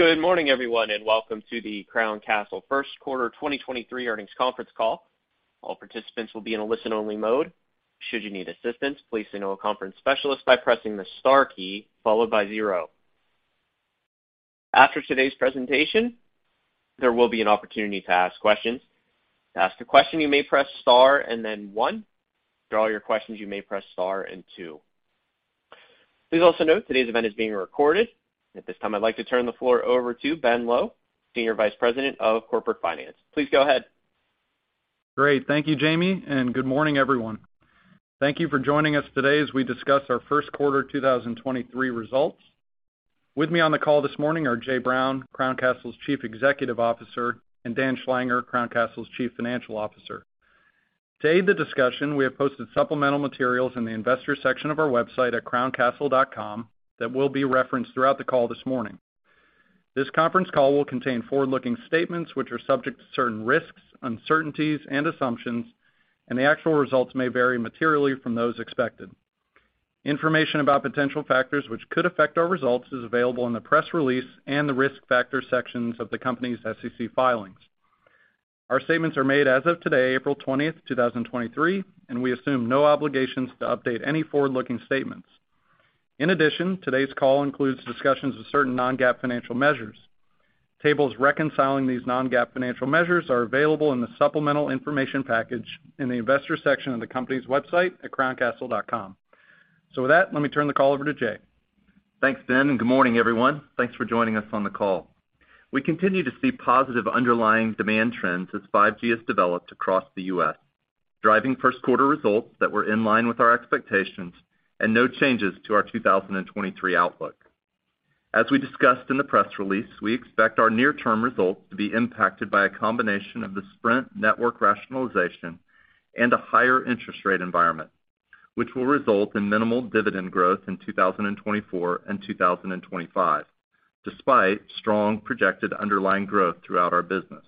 Good morning, everyone, and welcome to the Crown Castle Q1 2023 earnings conference call. All participants will be in a listen-only mode. Should you need assistance, please signal a conference specialist by pressing the star key followed by zero. After today's presentation, there will be an opportunity to ask questions. To ask a question, you may press star and then one. For all your questions, you may press star and two. Please also note today's event is being recorded. At this time, I'd like to turn the floor over to Ben Lowe, Senior Vice President of Corporate Finance. Please go ahead. Great. Thank you, Jamie. Good morning, everyone. Thank you for joining us today as we discuss our Q1 2023 results. With me on the call this morning are Jay Brown, Crown Castle's Chief Executive Officer, and Daniel Schlanger, Crown Castle's Chief Financial Officer. To aid the discussion, we have posted supplemental materials in the investors section of our website at crowncastle.com that will be referenced throughout the call this morning. This conference call will contain forward-looking statements, which are subject to certain risks, uncertainties and assumptions, and the actual results may vary materially from those expected. Information about potential factors which could affect our results is available in the press release and the risk factors sections of the company's SEC filings. Our statements are made as of today, April 20, 2023, and we assume no obligations to update any forward-looking statements. In addition, today's call includes discussions of certain non-GAAP financial measures. Tables reconciling these non-GAAP financial measures are available in the supplemental information package in the investor section of the company's website at crowncastle.com. With that, let me turn the call over to Jay. Thanks, Ben, and good morning, everyone. Thanks for joining us on the call. We continue to see positive underlying demand trends as 5G has developed across the U.S., driving Q1 results that were in line with our expectations and no changes to our 2023 outlook. As we discussed in the press release, we expect our near-term results to be impacted by a combination of the Sprint network rationalization and a higher interest rate environment, which will result in minimal dividend growth in 2024 and 2025, despite strong projected underlying growth throughout our business.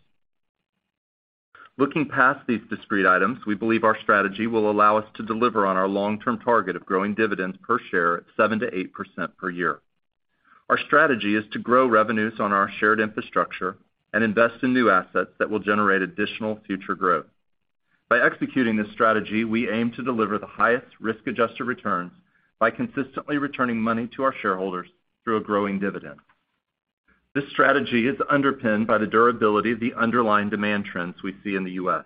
Looking past these discrete items, we believe our strategy will allow us to deliver on our long-term target of growing dividends per share at 7% to 8% per year. Our strategy is to grow revenues on our shared infrastructure and invest in new assets that will generate additional future growth. By executing this strategy, we aim to deliver the highest risk-adjusted returns by consistently returning money to our shareholders through a growing dividend. This strategy is underpinned by the durability of the underlying demand trends we see in the U.S.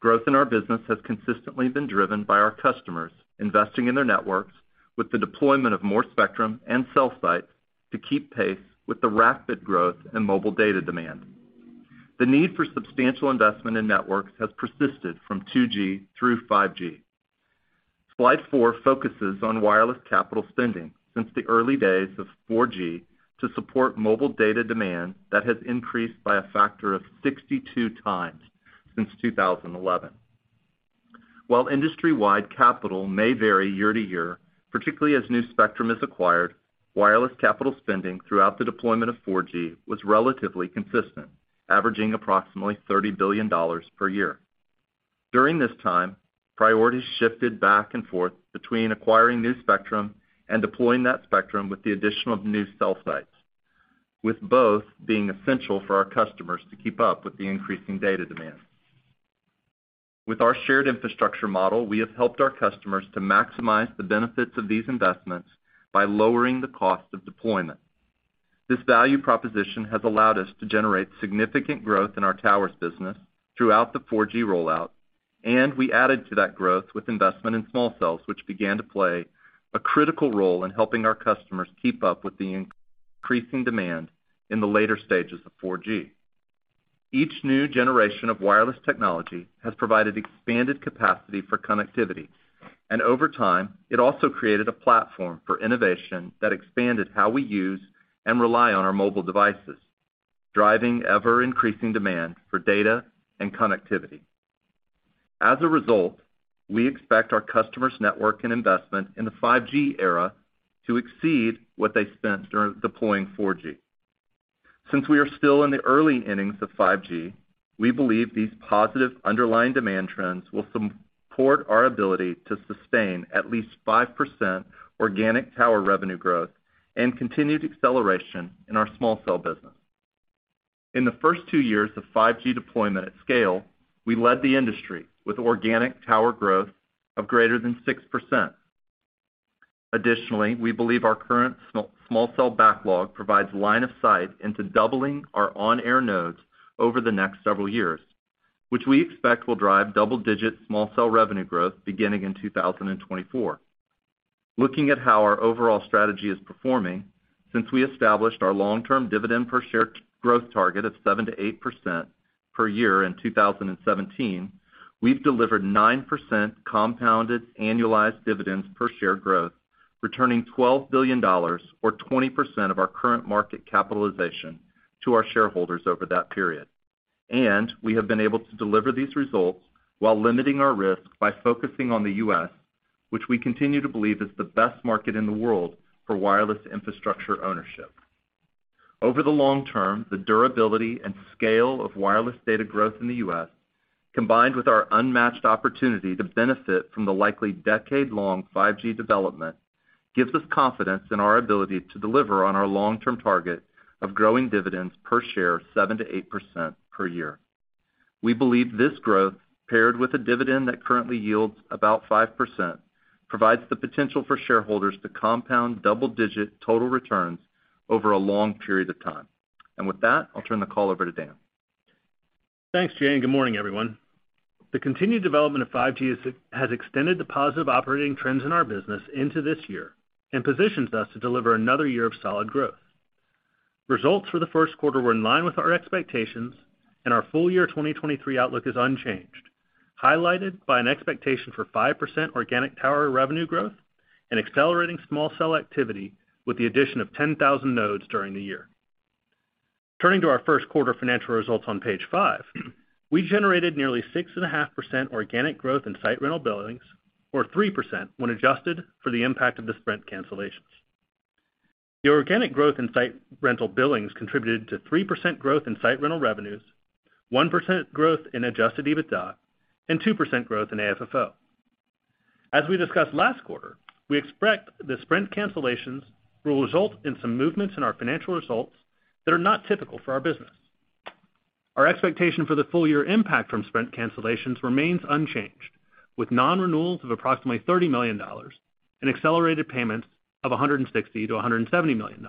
Growth in our business has consistently been driven by our customers investing in their networks with the deployment of more spectrum and cell sites to keep pace with the rapid growth in mobile data demand. The need for substantial investment in networks has persisted from 2G through 5G. Slide four focuses on wireless capital spending since the early days of 4G to support mobile data demand that has increased by a factor of 62x since 2011. While industry-wide capital may vary year-to-year, particularly as new spectrum is acquired, wireless capital spending throughout the deployment of 4G was relatively consistent, averaging approximately $30 billion per year. During this time, priorities shifted back and forth between acquiring new spectrum and deploying that spectrum with the addition of new cell sites, with both being essential for our customers to keep up with the increasing data demand. With our shared infrastructure model, we have helped our customers to maximize the benefits of these investments by lowering the cost of deployment. This value proposition has allowed us to generate significant growth in our towers business throughout the 4G rollout, and we added to that growth with investment in small cells, which began to play a critical role in helping our customers keep up with the increasing demand in the later stages of 4G. Each new generation of wireless technology has provided expanded capacity for connectivity. Over time, it also created a platform for innovation that expanded how we use and rely on our mobile devices, driving ever-increasing demand for data and connectivity. As a result, we expect our customers' network and investment in the 5G era to exceed what they spent during deploying 4G. Since we are still in the early innings of 5G, we believe these positive underlying demand trends will support our ability to sustain at least 5% organic tower revenue growth and continued acceleration in our small cell business. In the first two years of 5G deployment at scale, we led the industry with organic tower growth of greater than 6%. Additionally, we believe our current small cell backlog provides line of sight into doubling our on-air nodes over the next several years, which we expect will drive double-digit small cell revenue growth beginning in 2024. Looking at how our overall strategy is performing, since we established our long-term dividend per share growth target of 7%-8% per year in 2017, we've delivered 9% compounded annualized dividends per share growth, returning $12 billion or 20% of our current market capitalization to our shareholders over that period. We have been able to deliver these results while limiting our risk by focusing on the U.S., which we continue to believe is the best market in the world for wireless infrastructure ownership. Over the long term, the durability and scale of wireless data growth in the U.S. combined with our unmatched opportunity to benefit from the likely decade-long 5G development, gives us confidence in our ability to deliver on our long-term target of growing dividends per share 7%-8% per year. We believe this growth, paired with a dividend that currently yields about 5%, provides the potential for shareholders to compound double-digit total returns over a long period of time. With that, I'll turn the call over to Dan. Thanks, Jay. Good morning, everyone. The continued development of 5G has extended the positive operating trends in our business into this year and positions us to deliver another year of solid growth. Results for the Q1 were in line with our expectations, and our full year 2023 outlook is unchanged, highlighted by an expectation for 5% organic tower revenue growth and accelerating small cell activity with the addition of 10,000 nodes during the year. Turning to our Q1 financial results on page five, we generated nearly 6.5% organic growth in site rental billings or 3% when adjusted for the impact of the Sprint cancellations. The organic growth in site rental billings contributed to 3% growth in site rental revenues, 1% growth in adjusted EBITDA and 2% growth in AFFO. As we discussed last quarter, we expect the Sprint cancellations will result in some movements in our financial results that are not typical for our business. Our expectation for the full year impact from Sprint cancellations remains unchanged, with non-renewals of approximately $30 million and accelerated payments of $160 million-$170 million.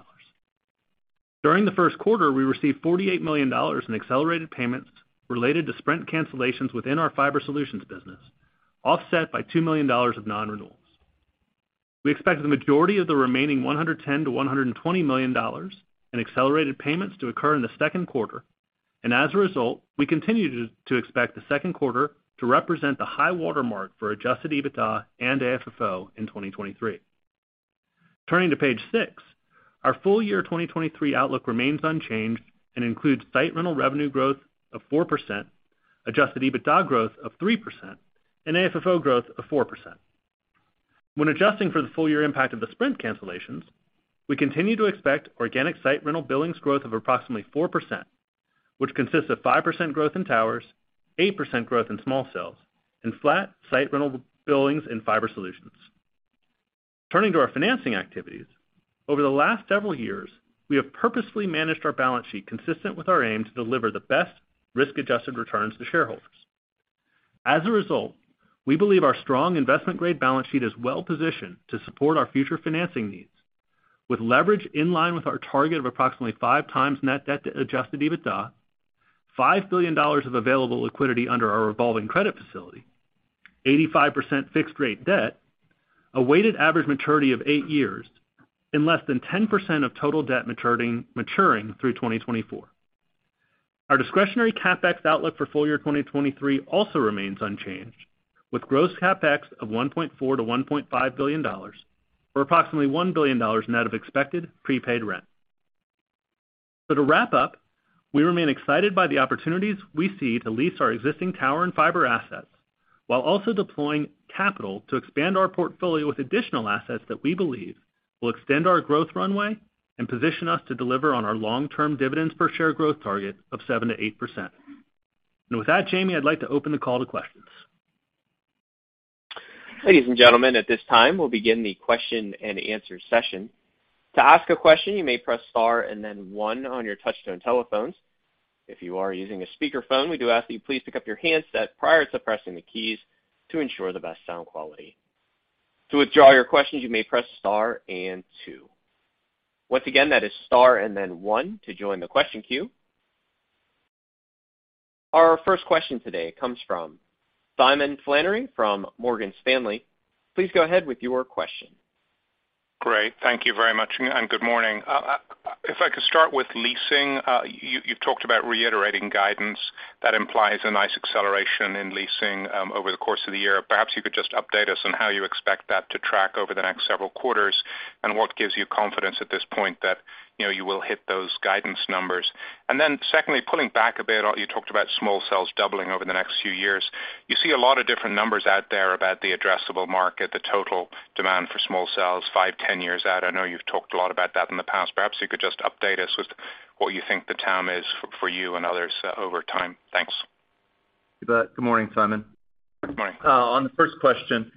During the Q1, we received $48 million in accelerated payments related to Sprint cancellations within our Fiber Solutions business, offset by $2 million of non-renewals. We expect the majority of the remaining $110 million-$120 million in accelerated payments to occur in the Q2, and as a result, we continue to expect the Q2 to represent the high watermark for adjusted EBITDA and AFFO in 2023. Turning to page six, our full year 2023 outlook remains unchanged and includes site rental revenue growth of 4%, adjusted EBITDA growth of 3% and AFFO growth of 4%. When adjusting for the full year impact of the Sprint cancellations, we continue to expect organic site rental billings growth of approximately 4%, which consists of 5% growth in towers, 8% growth in small cells, and flat site rental billings and Fiber Solutions. Turning to our financing activities. Over the last several years, we have purposefully managed our balance sheet consistent with our aim to deliver the best risk-adjusted returns to shareholders. We believe our strong investment-grade balance sheet is well-positioned to support our future financing needs with leverage in line with our target of approximately five times net debt to adjusted EBITDA, $5 billion of available liquidity under our revolving credit facility, 85% fixed rate debt, a weighted average maturity of eight years and less than 10% of total debt maturing through 2024. Our discretionary CapEx outlook for full year 2023 also remains unchanged, with gross CapEx of $1.4 billion-$1.5 billion, or approximately $1 billion net of expected prepaid rent. To wrap up, we remain excited by the opportunities we see to lease our existing tower and fiber assets while also deploying capital to expand our portfolio with additional assets that we believe will extend our growth runway and position us to deliver on our long-term dividends per share growth target of 7%-8%. With that, Jamie, I'd like to open the call to questions. Ladies and gentlemen, at this time, we'll begin the question-and-answer session. To ask a question, you may press star and then one on your touchtone telephones. If you are using a speakerphone, we do ask that you please pick up your handset prior to pressing the keys to ensure the best sound quality. To withdraw your questions, you may press star and two. Once again, that is star and then one to join the question queue. Our first question today comes from Simon Flannery from Morgan Stanley. Please go ahead with your question. Great. Thank you very much, and good morning. If I could start with leasing. You've talked about reiterating guidance that implies a nice acceleration in leasing over the course of the year. Perhaps you could just update us on how you expect that to track over the next several quarters and what gives you confidence at this point that, you know, you will hit those guidance numbers. Secondly, pulling back a bit, you talked about small cells doubling over the next few years. You see a lot of different numbers out there about the addressable market, the total demand for small cells five, 10 years out. I know you've talked a lot about that in the past. Perhaps you could just update us with what you think the TAM is for you and others over time. Thanks. You bet. Good morning, Simon. Good morning. On the first question,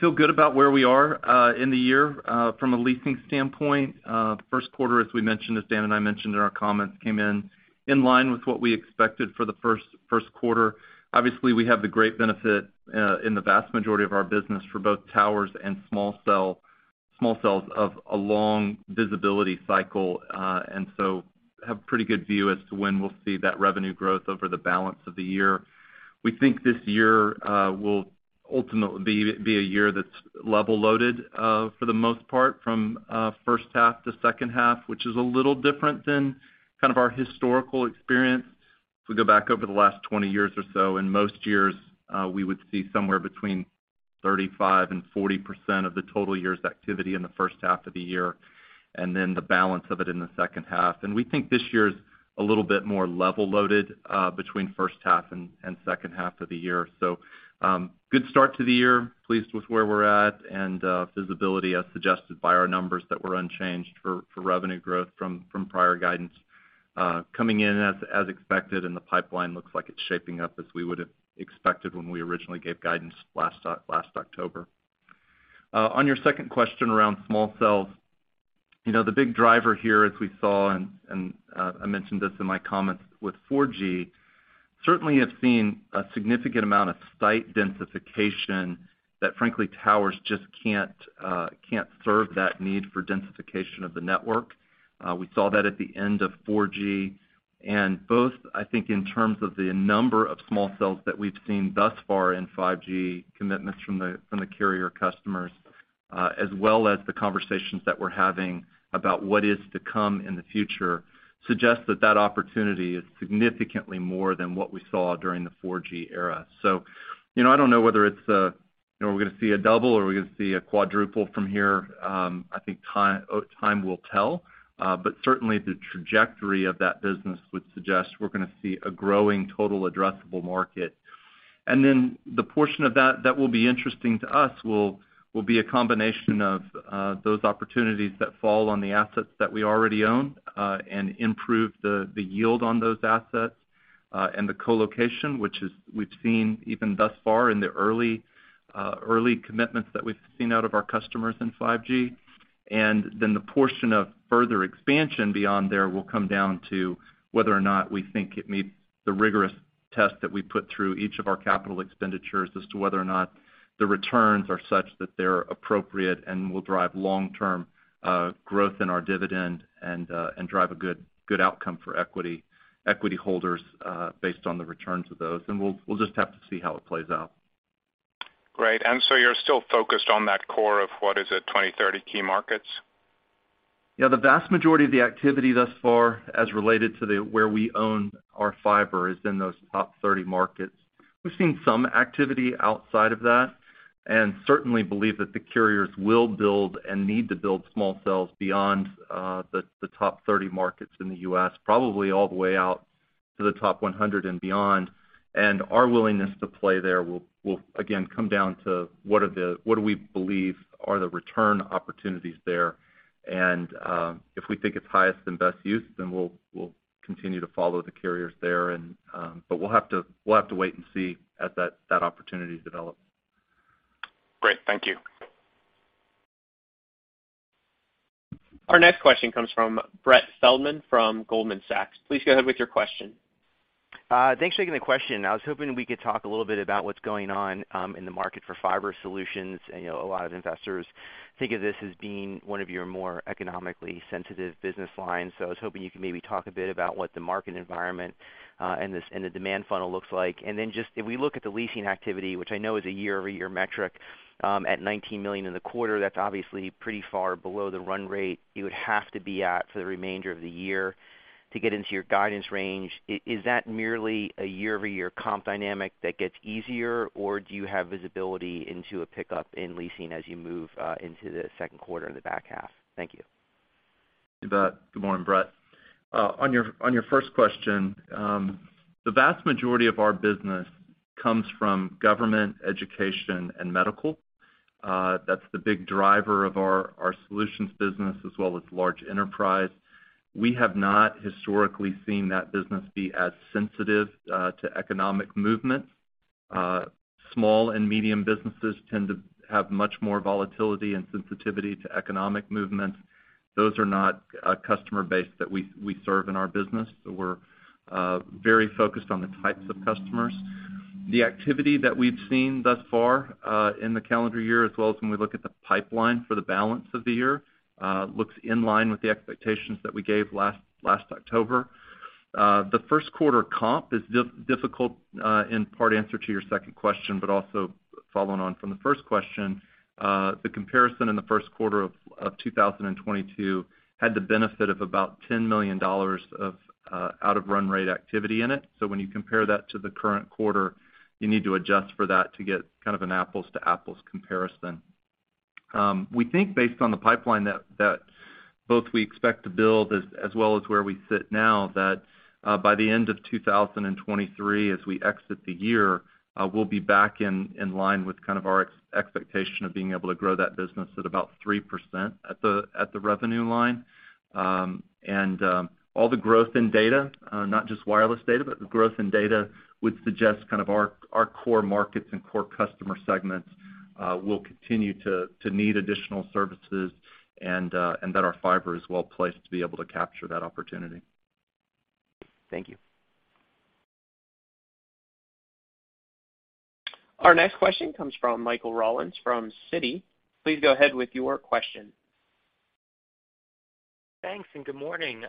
feel good about where we are in the year from a leasing standpoint. Q1, as we mentioned, as Dan and I mentioned in our comments, came in line with what we expected for the Q1. Obviously, we have the great benefit in the vast majority of our business for both towers and small cells of a long visibility cycle, and so have pretty good view as to when we'll see that revenue growth over the balance of the year. We think this year will ultimately be a year that's level loaded for the most part from H1 to H2, which is a little different than kind of our historical experience. If we go back over the last 20 years or so, in most years, we would see somewhere between 35% and 40% of the total year's activity in the H1 of the year, and then the balance of it in the H2. We think this year is a little bit more level loaded, between H1 and H2 of the year. Good start to the year, pleased with where we're at, and visibility as suggested by our numbers that were unchanged for revenue growth from prior guidance, coming in as expected and the pipeline looks like it's shaping up as we would have expected when we originally gave guidance last October. On your second question around small cells, you know, the big driver here as we saw and I mentioned this in my comments with 4G, certainly have seen a significant amount of site densification that frankly, towers just can't serve that need for densification of the network. We saw that at the end of 4G. Both, I think in terms of the number of small cells that we've seen thus far in 5G commitments from the, from the carrier customers, as well as the conversations that we're having about what is to come in the future, suggests that that opportunity is significantly more than what we saw during the 4G era. You know, I don't know whether it's, you know, we're gonna see a double or we're gonna see a quadruple from here. I think time will tell. Certainly the trajectory of that business would suggest we're gonna see a growing total addressable market. The portion of that will be interesting to us will be a combination of those opportunities that fall on the assets that we already own and improve the yield on those assets and the co-location, which is we've seen even thus far in the early commitments that we've seen out of our customers in 5G. The portion of further expansion beyond there will come down to whether or not we think it meets the rigorous test that we put through each of our capital expenditures as to whether or not the returns are such that they're appropriate and will drive long-term growth in our dividend and drive a good outcome for equity holders based on the returns of those. We'll just have to see how it plays out. Great. You're still focused on that core of what is it, 20-30 key markets? The vast majority of the activity thus far as related to where we own our fiber is in those top 30 markets. We've seen some activity outside of that, certainly believe that the carriers will build and need to build small cells beyond the top 30 markets in the U.S., probably all the way out to the top 100 and beyond. Our willingness to play there will again, come down to what do we believe are the return opportunities there. If we think it's highest and best use, then we'll continue to follow the carriers there but we'll have to wait and see as that opportunity develops. Great. Thank you. Our next question comes from Brett Feldman from Goldman Sachs. Please go ahead with your question. Thanks for taking the question. I was hoping we could talk a little bit about what's going on in the market for Fiber Solutions. You know, a lot of investors think of this as being one of your more economically sensitive business lines. I was hoping you could maybe talk a bit about what the market environment and the demand funnel looks like. Then just if we look at the leasing activity, which I know is a year-over-year metric, at $19 million in the quarter, that's obviously pretty far below the run rate you would have to be at for the remainder of the year to get into your guidance range. Is that merely a year-over-year comp dynamic that gets easier, or do you have visibility into a pickup in leasing as you move into the Q2 in the back half? Thank you. Good morning, Brett. On your first question, the vast majority of our business comes from government, education and medical. That's the big driver of our Solutions business as well as large enterprise. We have not historically seen that business be as sensitive to economic movements. Small and medium businesses tend to have much more volatility and sensitivity to economic movements. Those are not a customer base that we serve in our business. We're very focused on the types of customers. The activity that we've seen thus far, in the calendar year, as well as when we look at the pipeline for the balance of the year, looks in line with the expectations that we gave last October. The Q1 comp is difficult in part answer to your second question, but also following on from the first question. The comparison in the Q1 of 2022 had the benefit of about $10 million out of run rate activity in it. When you compare that to the current quarter, you need to adjust for that to get kind of an apples to apples comparison. We think based on the pipeline that both we expect to build as well as where we sit now, that by the end of 2023 as we exit the year, we'll be back in line with kind of our expectation of being able to grow that business at about 3% at the revenue line. All the growth in data, not just wireless data, but the growth in data would suggest kind of our core markets and core customer segments will continue to need additional services and that our fiber is well-placed to be able to capture that opportunity. Thank you. Our next question comes from Michael Rollins from Citi. Please go ahead with your question. Good morning,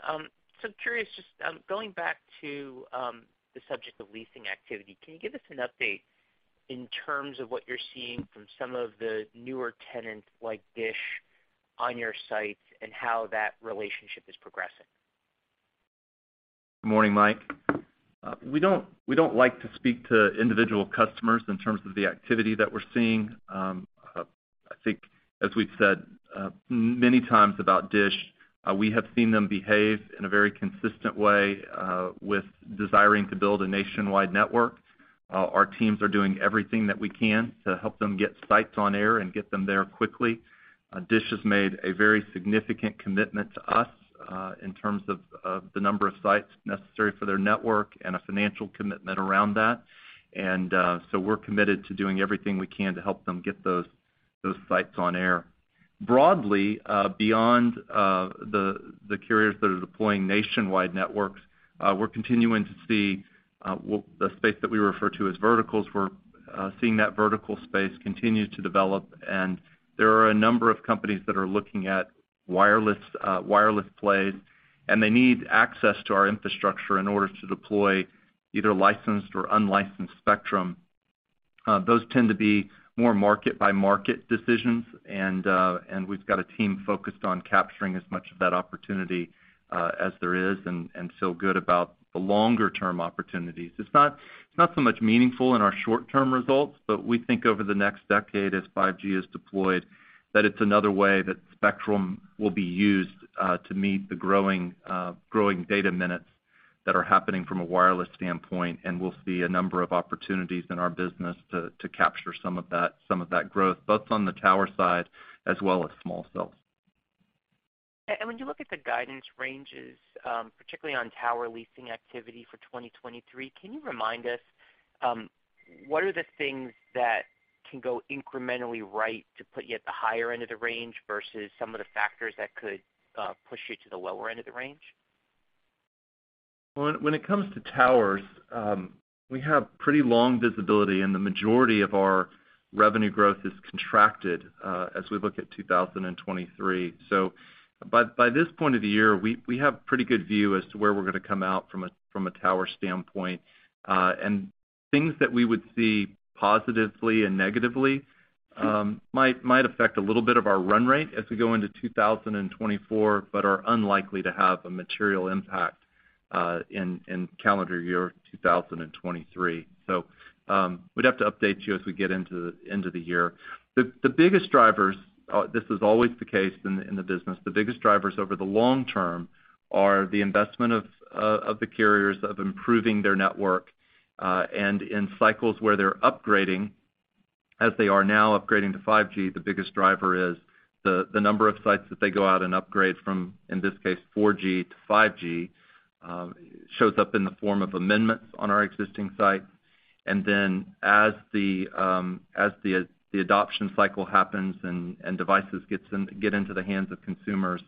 Mike. We don't like to speak to individual customers in terms of the activity that we're seeing. I think as we've said many times about DISH, we have seen them behave in a very consistent way with desiring to build a nationwide network. Our teams are doing everything that we can to help them get sites on air and get them there quickly. DISH has made a very significant commitment to us in terms of the number of sites necessary for their network and a financial commitment around that. We're committed to doing everything we can to help them get those sites on air. Broadly, beyond the carriers that are deploying nationwide networks, we're continuing to see the space that we refer to as verticals, we're seeing that vertical space continue to develop, and there are a number of companies that are looking at wireless plays, and they need access to our infrastructure in order to deploy either licensed or unlicensed spectrum. Those tend to be more market-by-market decisions, and we've got a team focused on capturing as much of that opportunity as there is, and feel good about the longer term opportunities. It's not so much meaningful in our short-term results, but we think over the next decade as 5G is deployed, that it's another way that spectrum will be used to meet the growing data minutes that are happening from a wireless standpoint. We'll see a number of opportunities in our business to capture some of that growth, both on the tower side as well as small cells. When you look at the guidance ranges, particularly on tower leasing activity for 2023, can you remind us, what are the things that can go incrementally right to put you at the higher end of the range versus some of the factors that could push you to the lower end of the range? Well, when it comes to towers, we have pretty long visibility, and the majority of our revenue growth is contracted as we look at 2023. By this point of the year, we have pretty good view as to where we're gonna come out from a tower standpoint. And things that we would see positively and negatively, might affect a little bit of our run rate as we go into 2024, but are unlikely to have a material impact in calendar year 2023. We'd have to update you as we get into the year. The biggest drivers, this is always the case in the business, the biggest drivers over the long term are the investment of the carriers of improving their network, and in cycles where they're upgrading, as they are now upgrading to 5G, the biggest driver is the number of sites that they go out and upgrade from, in this case, 4G to 5G, shows up in the form of amendments on our existing sites. As the adoption cycle happens and devices get into the hands of consumers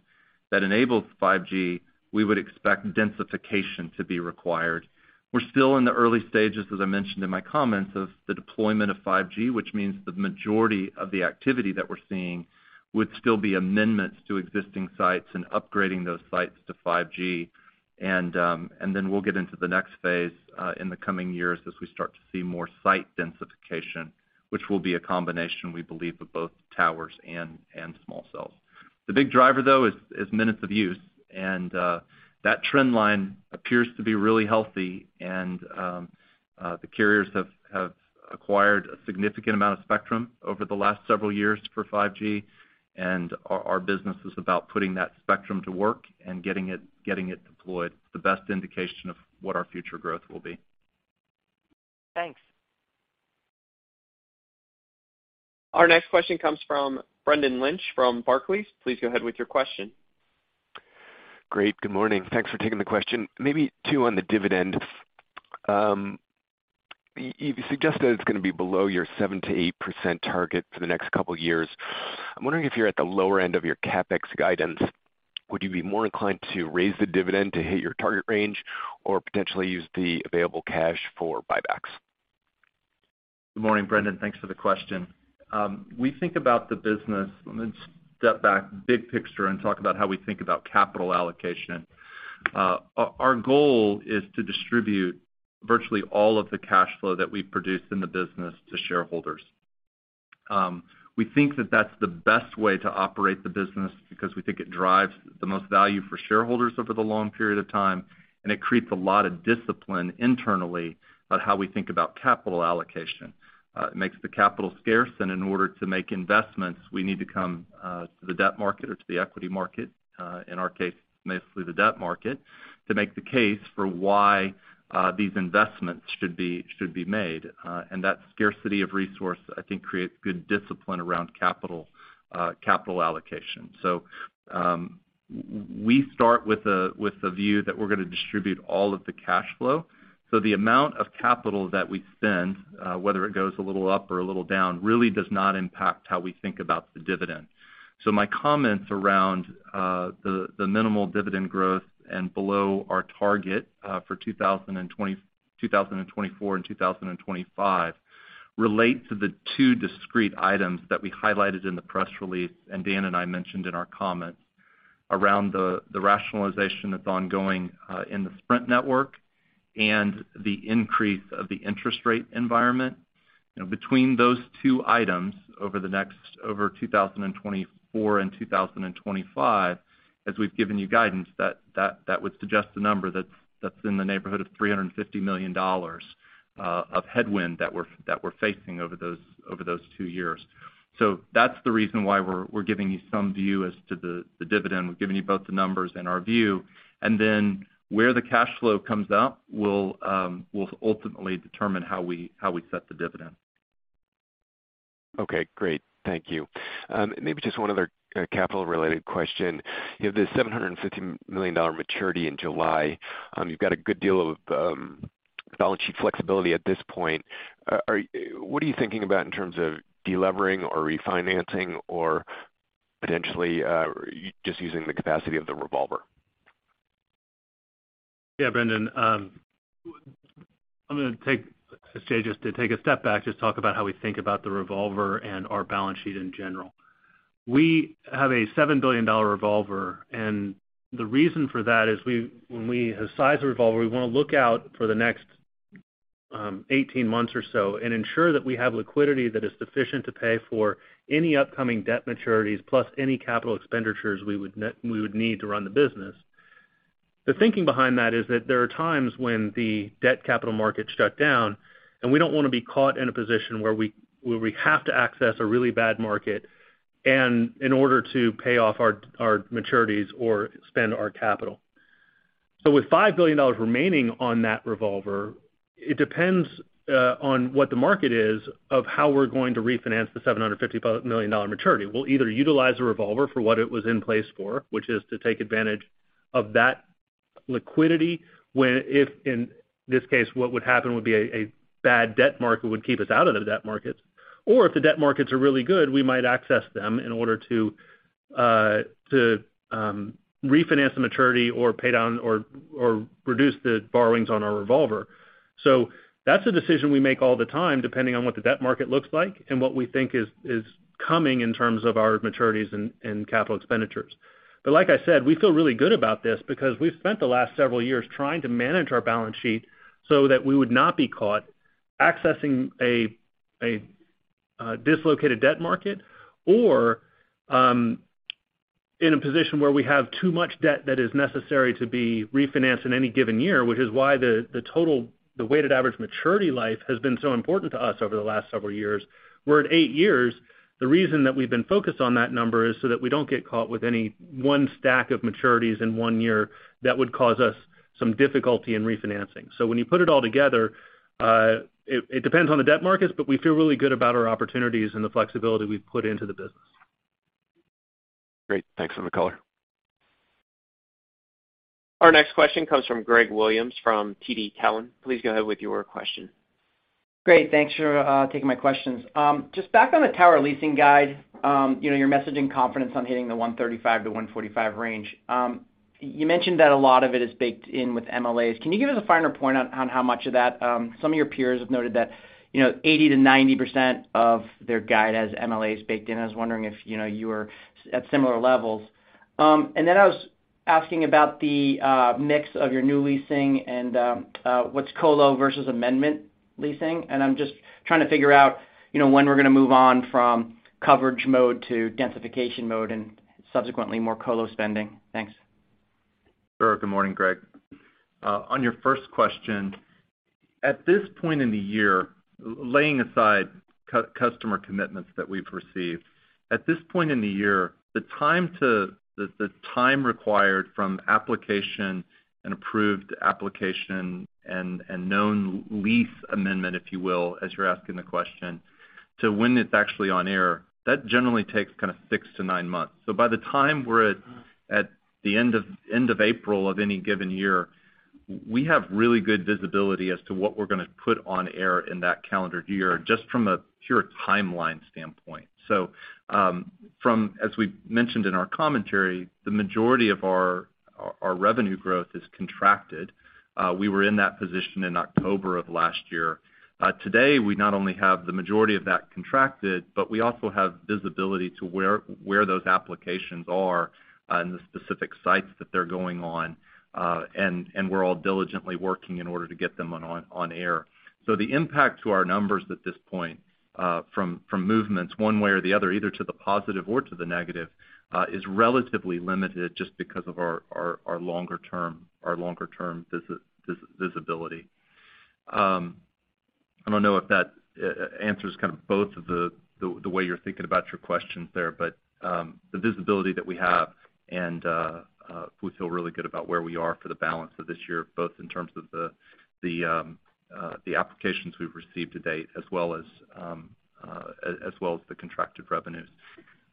that enables 5G, we would expect densification to be required. We're still in the early stages, as I mentioned in my comments, of the deployment of 5G, which means the majority of the activity that we're seeing would still be amendments to existing sites and upgrading those sites to 5G. Then we'll get into the next phase in the coming years as we start to see more site densification, which will be a combination, we believe, of both towers and small cells. The big driver, though, is minutes of use, and that trend line appears to be really healthy. The carriers have acquired a significant amount of spectrum over the last several years for 5G, and our business is about putting that spectrum to work and getting it deployed, the best indication of what our future growth will be. Thanks. Our next question comes from Brendan Lynch from Barclays. Please go ahead with your question. Great, good morning. Thanks for taking the question. Maybe two on the dividend. You suggest that it's gonna be below your 7%-8% target for the next couple years. I'm wondering if you're at the lower end of your CapEx guidance, would you be more inclined to raise the dividend to hit your target range or potentially use the available cash for buybacks? Good morning, Brendan. Thanks for the question. Let me step back big picture and talk about how we think about capital allocation. Our goal is to distribute virtually all of the cash flow that we produce in the business to shareholders. We think that that's the best way to operate the business because we think it drives the most value for shareholders over the long period of time, and it creates a lot of discipline internally about how we think about capital allocation. It makes the capital scarce, and in order to make investments, we need to come to the debt market or to the equity market, in our case, mostly the debt market, to make the case for why these investments should be made. That scarcity of resource, I think, creates good discipline around capital allocation. We start with a view that we're gonna distribute all of the cash flow. The amount of capital that we spend, whether it goes a little up or a little down, really does not impact how we think about the dividend. My comments around the minimal dividend growth and below our target for 2024 and 2025 relate to the two discrete items that we highlighted in the press release, and Dan and I mentioned in our comments, around the rationalization that's ongoing in the Sprint network and the increase of the interest rate environment. You know, between those two items over 2024 and 2025, as we've given you guidance, that would suggest a number that's in the neighborhood of $350 million of headwind that we're facing over those two years. That's the reason why we're giving you some view as to the dividend. We're giving you both the numbers and our view. Where the cash flow comes out will ultimately determine how we set the dividend. Okay, great. Thank you. Maybe just one other capital related question. You have this $750 million maturity in July. You've got a good deal of balance sheet flexibility at this point. What are you thinking about in terms of delevering or refinancing or potentially just using the capacity of the revolver? Brendan. I'm gonna take a step back, just talk about how we think about the revolver and our balance sheet in general. We have a $7 billion revolver, and the reason for that is when we size a revolver, we wanna look out for the next 18 months or so and ensure that we have liquidity that is sufficient to pay for any upcoming debt maturities, plus any capital expenditures we would need to run the business. The thinking behind that is that there are times when the debt capital market shut down, and we don't wanna be caught in a position where we have to access a really bad market, and in order to pay off our maturities or spend our capital. With $5 billion remaining on that revolver, it depends on what the market is of how we're going to refinance the $750 million maturity. We'll either utilize a revolver for what it was in place for, which is to take advantage of that liquidity, when if in this case, what would happen would be a bad debt market would keep us out of the debt markets. If the debt markets are really good, we might access them in order to refinance the maturity or pay down or reduce the borrowings on our revolver. That's a decision we make all the time, depending on what the debt market looks like and what we think is coming in terms of our maturities and capital expenditures. Like I said, we feel really good about this because we've spent the last several years trying to manage our balance sheet so that we would not be caught accessing a dislocated debt market or in a position where we have too much debt that is necessary to be refinanced in any given year, which is why the total, the weighted average maturity life has been so important to us over the last several years. We're at eight years. The reason that we've been focused on that number is so that we don't get caught with any one stack of maturities in one year that would cause us some difficulty in refinancing. When you put it all together, it depends on the debt markets, but we feel really good about our opportunities and the flexibility we've put into the business. Great. Thanks so much, McCullough. Our next question comes from Gregory Williams from TD Cowen. Please go ahead with your question. Great. Thanks for taking my questions. Just back on the tower leasing guide, you know, your messaging confidence on hitting the 135-145 range. You mentioned that a lot of it is baked in with MLAs. Can you give us a finer point on how much of that? Some of your peers have noted that, you know, 80%-90% of their guide has MLAs baked in. I was wondering if, you know, you were at similar levels. I was asking about the mix of your new leasing and what's colo versus amendment leasing. I'm just trying to figure out, you know, when we're gonna move on from coverage mode to densification mode and subsequently more colo spending. Thanks. Sure. Good morning, Greg. On your first question, at this point in the year, laying aside customer commitments that we've received. At this point in the year, the time required from application and approved application and known lease amendment, if you will, as you're asking the question to when it's actually on air, that generally takes kinda six to nine months. By the time we're at the end of April of any given year, we have really good visibility as to what we're gonna put on air in that calendar year, just from a pure timeline standpoint. From, as we've mentioned in our commentary, the majority of our revenue growth is contracted. We were in that position in October of last year. Today, we not only have the majority of that contracted, but we also have visibility to where those applications are, and the specific sites that they're going on. We're all diligently working in order to get them on air. The impact to our numbers at this point, from movements one way or the other, either to the positive or to the negative, is relatively limited just because of our longer term visibility. I don't know if that answers kind of both of the way you're thinking about your questions there, but the visibility that we have and we feel really good about where we are for the balance of this year, both in terms of the applications we've received to date, as well as the contracted revenues.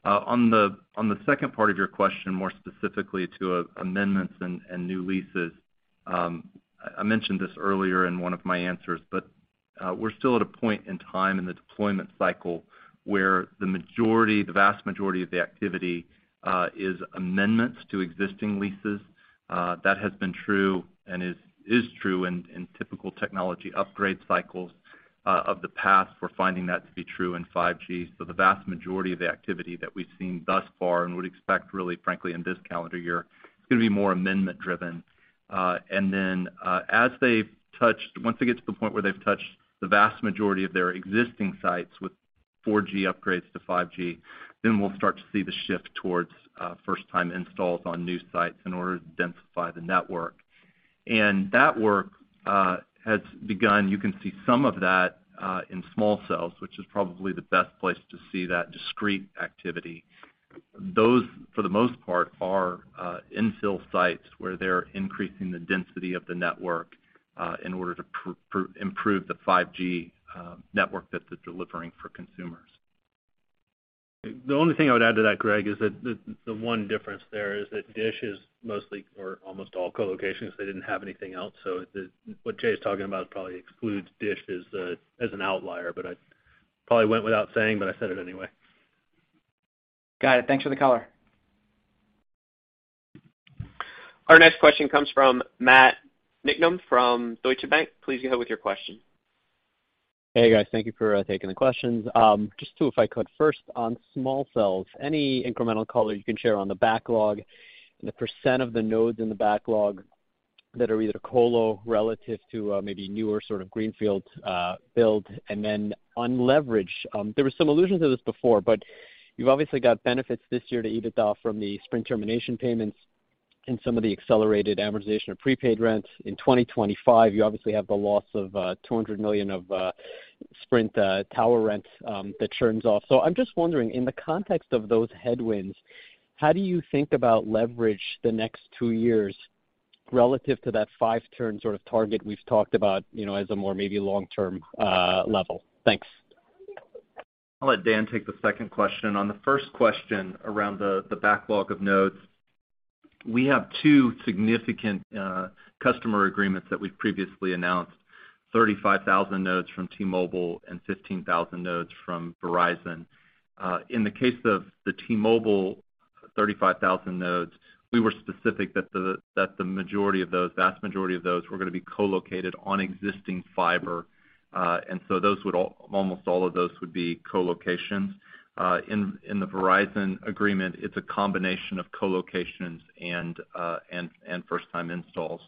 On the second part of your question, more specifically to amendments and new leases, I mentioned this earlier in one of my answers, but we're still at a point in time in the deployment cycle where the majority, the vast majority of the activity is amendments to existing leases. That has been true and is true in typical technology upgrade cycles of the past. We're finding that to be true in 5G. The vast majority of the activity that we've seen thus far and would expect really, frankly, in this calendar year, it's gonna be more amendment-driven. As they've once they get to the point where they've touched the vast majority of their existing sites with 4G upgrades to 5G, then we'll start to see the shift towards first-time installs on new sites in order to densify the network. That work has begun. You can see some of that in small cells, which is probably the best place to see that discrete activity. Those, for the most part, are infill sites where they're increasing the density of the network in order to improve the 5G network that they're delivering for consumers. The only thing I would add to that, Greg, is that the one difference there is that DISH is mostly or almost all co-locations. They didn't have anything else. What Jay is talking about probably excludes DISH as an outlier, but I probably went without saying, but I said it anyway. Got it. Thanks for the color. Our next question comes from Matthew Niknam from Deutsche Bank. Please go ahead with your question. Hey, guys. Thank you for taking the questions. Just two, if I could. First, on small cells, any incremental color you can share on the backlog and the % of the nodes in the backlog that are either colo relative to maybe newer sort of greenfield build. On leverage, there was some allusions of this before, but you've obviously got benefits this year to EBITDA from the Sprint termination payments and some of the accelerated amortization of prepaid rents. In 2025, you obviously have the loss of $200 million of Sprint tower rents that churns off. I'm just wondering, in the context of those headwinds, how do you think about leverage the next two years relative to that five-turn sort of target we've talked about, you know, as a more maybe long-term level? Thanks. I'll let Dan take the second question. On the first question around the backlog of nodes, we have two significant customer agreements that we've previously announced, 35,000 nodes from T-Mobile and 15,000 nodes from Verizon. In the case of the T-Mobile 35,000 nodes, we were specific that the majority of those, vast majority of those were gonna be co-located on existing fiber. Those would almost all of those would be co-locations. In the Verizon agreement, it's a combination of co-locations and first time installs.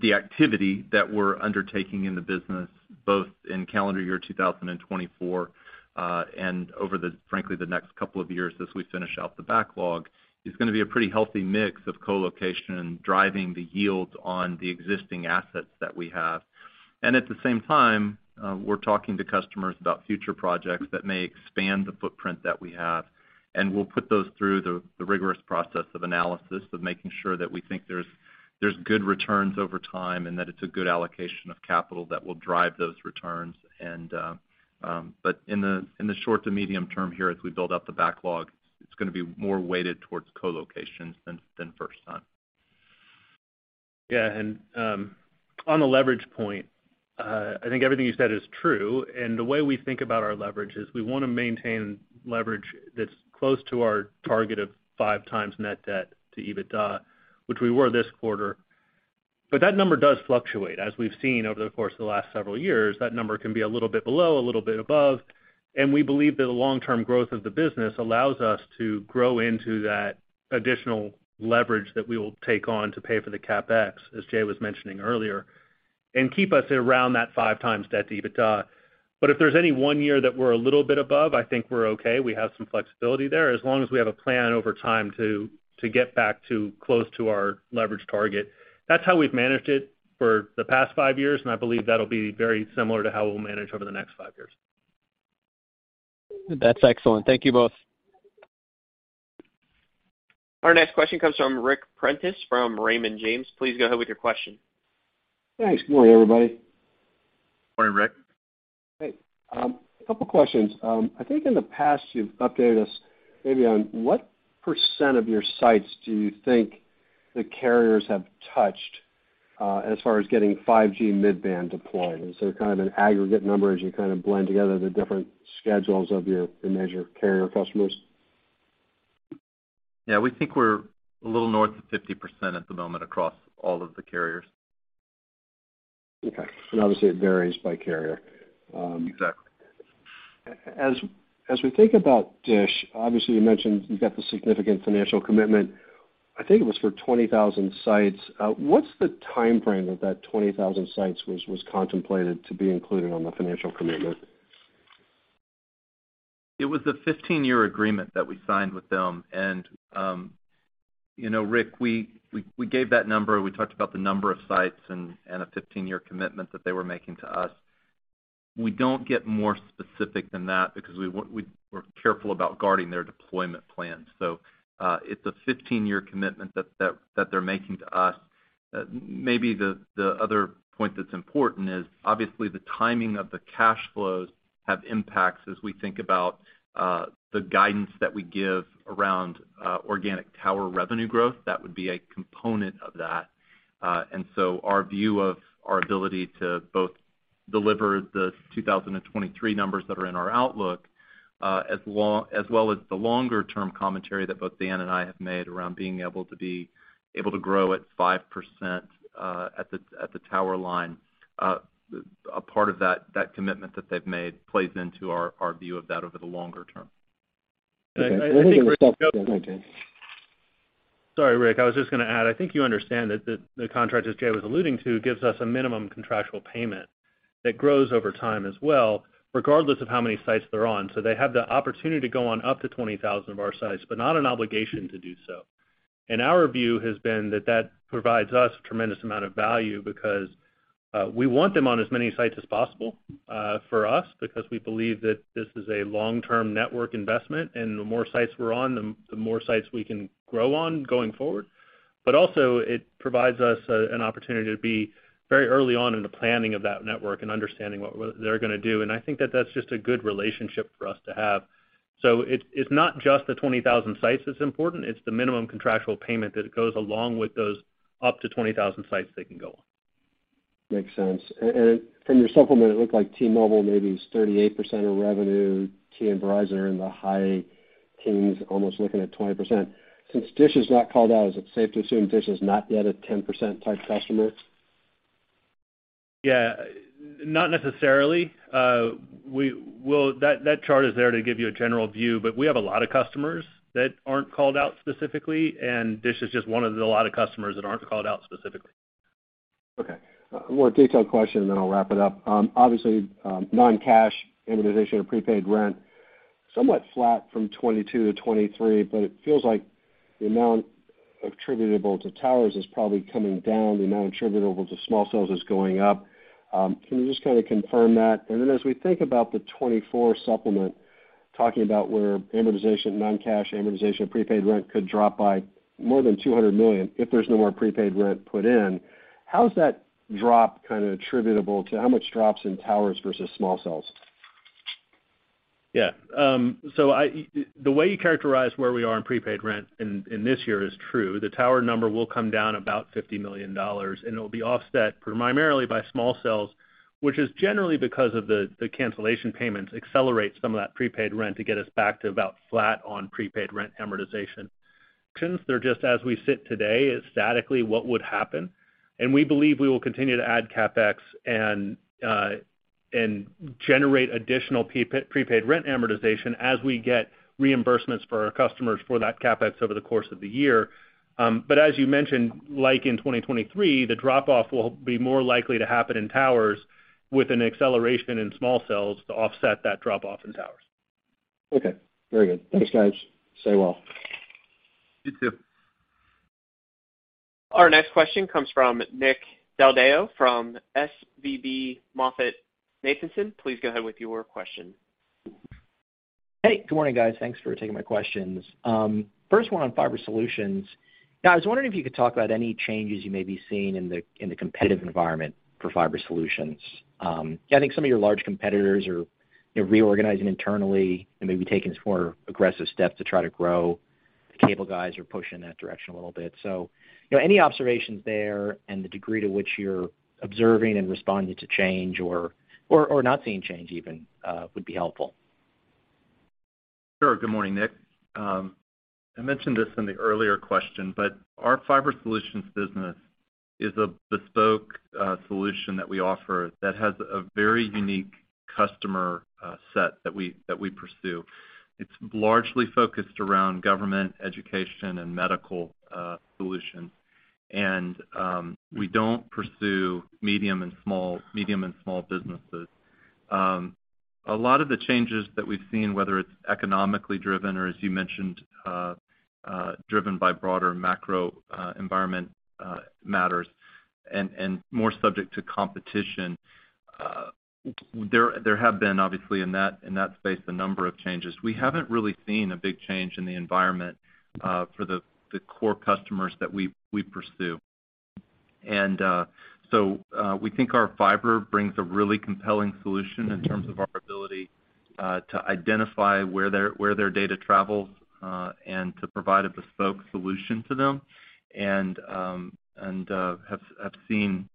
The activity that we're undertaking in the business, both in calendar year 2024, and over the, frankly, the next couple of years as we finish out the backlog, is gonna be a pretty healthy mix of co-location, driving the yields on the existing assets that we have. At the same time, we're talking to customers about future projects that may expand the footprint that we have, and we'll put those through the rigorous process of analysis of making sure that we think there's good returns over time and that it's a good allocation of capital that will drive those returns and. In the short to medium term here, as we build up the backlog, it's gonna be more weighted towards co-locations than first time. Yeah. On the leverage point, I think everything you said is true. The way we think about our leverage is we wanna maintain leverage that's close to our target of five times net debt to EBITDA, which we were this quarter. That number does fluctuate. As we've seen over the course of the last several years, that number can be a little bit below, a little bit above. We believe that the long-term growth of the business allows us to grow into that additional leverage that we will take on to pay for the CapEx, as Jay was mentioning earlier, and keep us around that five times debt to EBITDA. If there's any one year that we're a little bit above, I think we're okay. We have some flexibility there, as long as we have a plan over time to get back to close to our leverage target. That's how we've managed it for the past five years. I believe that'll be very similar to how we'll manage over the next five years. That's excellent. Thank you both. Our next question comes from Ric Prentiss from Raymond James. Please go ahead with your question. Thanks. Good morning, everybody. Morning, Ric. Hey, a couple questions. I think in the past you've updated us maybe on what % of your sites do you think the carriers have touched as far as getting 5G mid-band deployed. Is there kind of an aggregate number as you kind of blend together the different schedules of the major carrier customers? Yeah. We think we're a little north of 50% at the moment across all of the carriers. Okay. Obviously it varies by carrier. Exactly. As we think about Dish, obviously you mentioned you've got the significant financial commitment, I think it was for 20,000 sites. What's the timeframe that 20,000 sites was contemplated to be included on the financial commitment? It was a 15-year agreement that we signed with them. You know, Ric Prentiss, we gave that number. We talked about the number of sites and a 15-year commitment that they were making to us. We don't get more specific than that because we're careful about guarding their deployment plans. It's a 15-year commitment that they're making to us. Maybe the other point that's important is obviously the timing of the cash flows have impacts as we think about the guidance that we give around organic tower revenue growth. That would be a component of that. Our view of our ability to both deliver the 2023 numbers that are in our outlook, as well as the longer-term commentary that both Dan and I have made around being able to grow at 5%, at the tower line, a part of that commitment that they've made plays into our view of that over the longer term. I think, Ric. Go ahead, Dan. Sorry, Ric. I was just gonna add, I think you understand that the contract, as Jay was alluding to, gives us a minimum contractual payment that grows over time as well, regardless of how many sites they're on. They have the opportunity to go on up to 20,000 of our sites, but not an obligation to do so. Our view has been that that provides us tremendous amount of value because we want them on as many sites as possible for us, because we believe that this is a long-term network investment, and the more sites we're on, the more sites we can grow on going forward. Also it provides us an opportunity to be very early on in the planning of that network and understanding what they're gonna do. I think that that's just a good relationship for us to have. It's not just the 20,000 sites that's important, it's the minimum contractual payment that goes along with those up to 20,000 sites they can go on. Makes sense. From your supplement, it looked like T-Mobile maybe is 38% of revenue, T and Verizon are in the high teens, almost looking at 20%. Since DISH is not called out, is it safe to assume DISH is not yet a 10% type customer? Yeah. Not necessarily. Well, that chart is there to give you a general view, but we have a lot of customers that aren't called out specifically. DISH is just one of the lot of customers that aren't called out specifically. Okay. One more detailed question, and then I'll wrap it up. Obviously, non-cash amortization of prepaid rent, somewhat flat from 2022-2023, but it feels like the amount attributable to towers is probably coming down, the amount attributable to small cells is going up. Can you just kinda confirm that? Then as we think about the 2024 supplement, talking about where amortization, non-cash amortization of prepaid rent could drop by more than $200 million if there's no more prepaid rent put in, how is that drop kinda attributable to how much drops in towers versus small cells? The way you characterize where we are in prepaid rent in this year is true. The tower number will come down about $50 million, and it'll be offset primarily by small cells, which is generally because of the cancellation payments accelerate some of that prepaid rent to get us back to about flat on prepaid rent amortization. Since they're just as we sit today, it's statically what would happen. We believe we will continue to add CapEx and generate additional prepaid rent amortization as we get reimbursements for our customers for that CapEx over the course of the year. As you mentioned, like in 2023, the drop off will be more likely to happen in towers with an acceleration in small cells to offset that drop off in towers. Okay. Very good. Thanks, guys. Stay well. You too. Our next question comes from Nick Del Deo from SVB MoffettNathanson. Please go ahead with your question. Hey, good morning, guys. Thanks for taking my questions. First one on Fiber Solutions. Now, I was wondering if you could talk about any changes you may be seeing in the, in the competitive environment for Fiber Solutions. Yeah, I think some of your large competitors are, you know, reorganizing internally and maybe taking some more aggressive steps to try to grow. The cable guys are pushing in that direction a little bit. You know, any observations there and the degree to which you're observing and responding to change or not seeing change even would be helpful. Sure. Good morning, Nick. I mentioned this in the earlier question, but our Fiber Solutions business is a bespoke solution that we offer that has a very unique customer set that we pursue. It's largely focused around government, education, and medical solutions. We don't pursue medium and small businesses. A lot of the changes that we've seen, whether it's economically driven or, as you mentioned, driven by broader macro environment matters and more subject to competition, there have been obviously in that space, a number of changes. We haven't really seen a big change in the environment for the core customers that we pursue. We think our fiber brings a really compelling solution in terms of our ability to identify where their, where their data travels, and to provide a bespoke solution to them. Have seen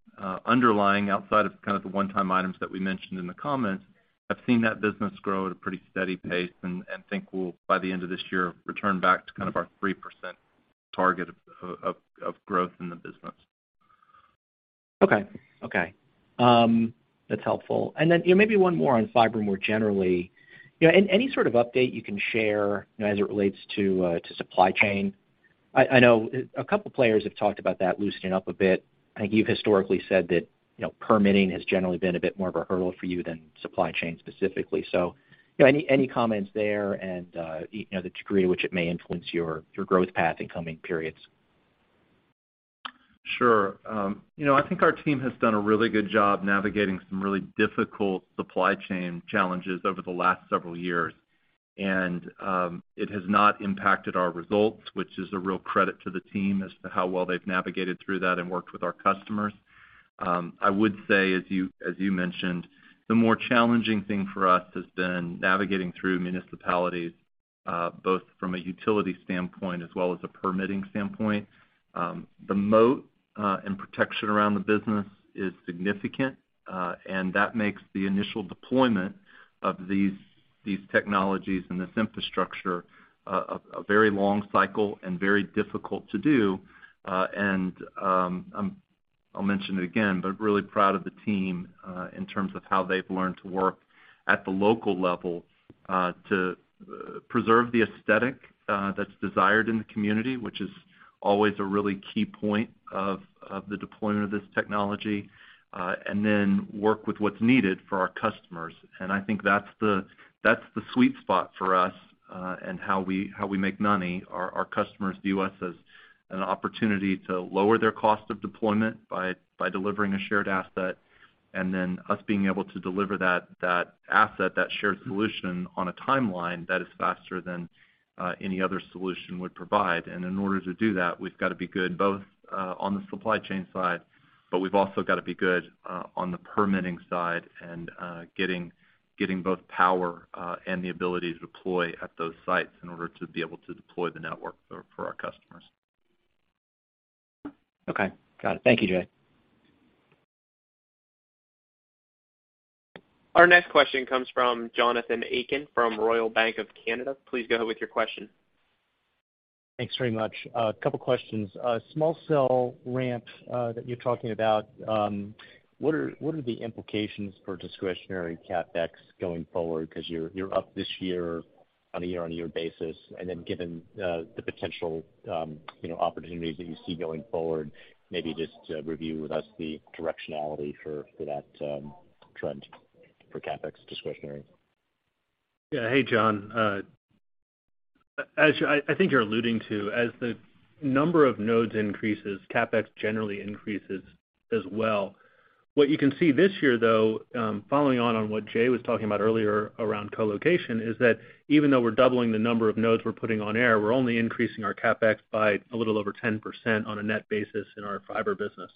underlying outside of kind of the one-time items that we mentioned in the comments, have seen that business grow at a pretty steady pace and think we'll, by the end of this year, return back to kind of our 3% target of growth in the business. Okay. Okay. That's helpful. Then, you know, maybe one more on fiber more generally. You know, any sort of update you can share, you know, as it relates to to supply chain? I know a couple of players have talked about that loosening up a bit. I think you've historically said that, you know, permitting has generally been a bit more of a hurdle for you than supply chain specifically. You know, any comments there and, you know, the degree to which it may influence your growth path in coming periods? Sure. You know, I think our team has done a really good job navigating some really difficult supply chain challenges over the last several years. It has not impacted our results, which is a real credit to the team as to how well they've navigated through that and worked with our customers. I would say, as you, as you mentioned, the more challenging thing for us has been navigating through municipalities, both from a utility standpoint as well as a permitting standpoint. The moat and protection around the business is significant, and that makes the initial deployment of these technologies and this infrastructure a very long cycle and very difficult to do. I'll mention it again, but really proud of the team in terms of how they've learned to work at the local level to preserve the aesthetic that's desired in the community, which is always a really key point of the deployment of this technology and then work with what's needed for our customers. I think that's the sweet spot for us and how we make money. Our customers view us as an opportunity to lower their cost of deployment by delivering a shared asset, and then us being able to deliver that asset, that shared solution on a timeline that is faster than any other solution would provide. In order to do that, we've got to be good both on the supply chain side, but we've also got to be good on the permitting side and getting both power and the ability to deploy at those sites in order to be able to deploy the network for our customers. Okay. Got it. Thank you, Jay. Our next question comes from Jonathan Atkin from Royal Bank of Canada. Please go ahead with your question. Thanks very much. A couple questions. Small cell ramp that you're talking about, what are the implications for discretionary CapEx going forward because you're up this year on a year-on-year basis, and then given the potential, you know, opportunities that you see going forward, maybe just review with us the directionality for that trend for CapEx discretionary? Hey, Jon. I think you're alluding to, as the number of nodes increases, CapEx generally increases as well. What you can see this year, though, following on what Jay was talking about earlier around co-location, is that even though we're doubling the number of nodes we're putting on air, we're only increasing our CapEx by a little over 10% on a net basis in our Fiber Solutions business.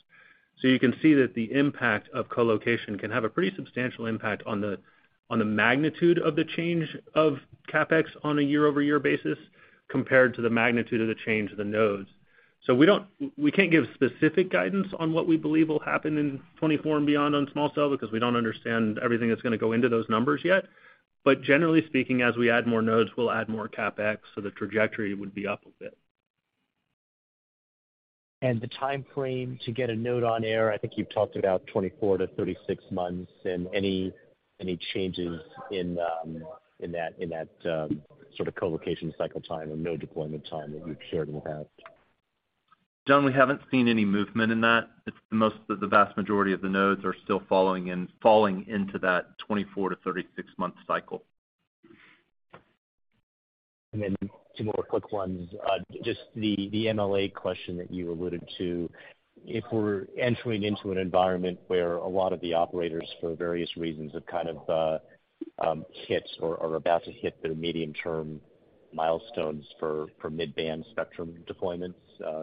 You can see that the impact of co-location can have a pretty substantial impact on the magnitude of the change of CapEx on a year-over-year basis compared to the magnitude of the change of the nodes. We can't give specific guidance on what we believe will happen in 2024 and beyond on small cell because we don't understand everything that's gonna go into those numbers yet. Generally speaking, as we add more nodes, we'll add more CapEx, so the trajectory would be up a bit. The timeframe to get a node on air, I think you've talked about 24-36 months. Any changes in that sort of co-location cycle time or node deployment time that you've shared in the past? John, we haven't seen any movement in that. Most of the vast majority of the nodes are still falling into that 24-36-month cycle. Two more quick ones. Just the MLA question that you alluded to, if we're entering into an environment where a lot of the operators for various reasons have kind of hit or are about to hit their medium-term milestones for mid-band spectrum deployments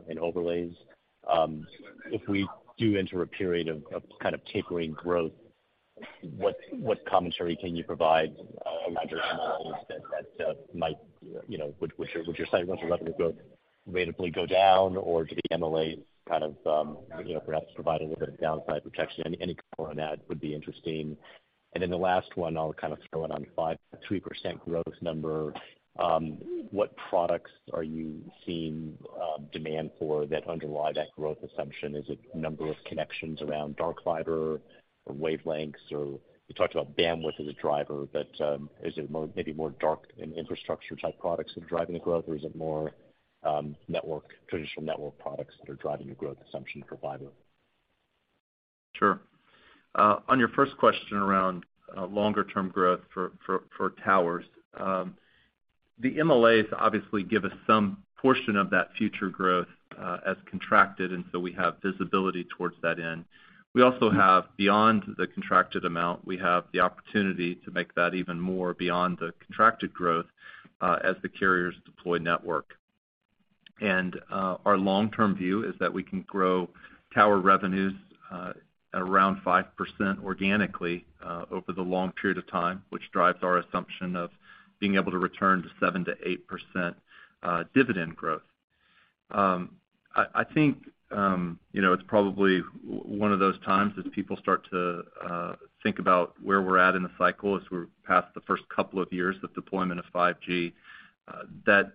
and overlays, if we do enter a period of kind of tapering growth, what commentary can you provide around your MLA instead that might, you know, would your site rental revenue growth relatively go down? Do the MLA kind of, you know, perhaps provide a little bit of downside protection? Any color on that would be interesting. The last one, I'll kind of throw it on 3% growth number. What products are you seeing demand for that underlie that growth assumption? Is it number of connections around dark fiber or wavelengths? You talked about bandwidth as a driver, is it more, maybe more dark and infrastructure-type products that are driving the growth, or is it more, network, traditional network products that are driving the growth assumption for fiber? Sure. On your first question around longer term growth for towers, the MLAs obviously give us some portion of that future growth as contracted, we have visibility towards that end. We also have beyond the contracted amount, we have the opportunity to make that even more beyond the contracted growth as the carriers deploy network. Our long-term view is that we can grow tower revenues at around 5% organically over the long period of time, which drives our assumption of being able to return to 7%-8% dividend growth. I think, you know, it's probably one of those times as people start to think about where we're at in the cycle as we're past the first couple of years of deployment of 5G that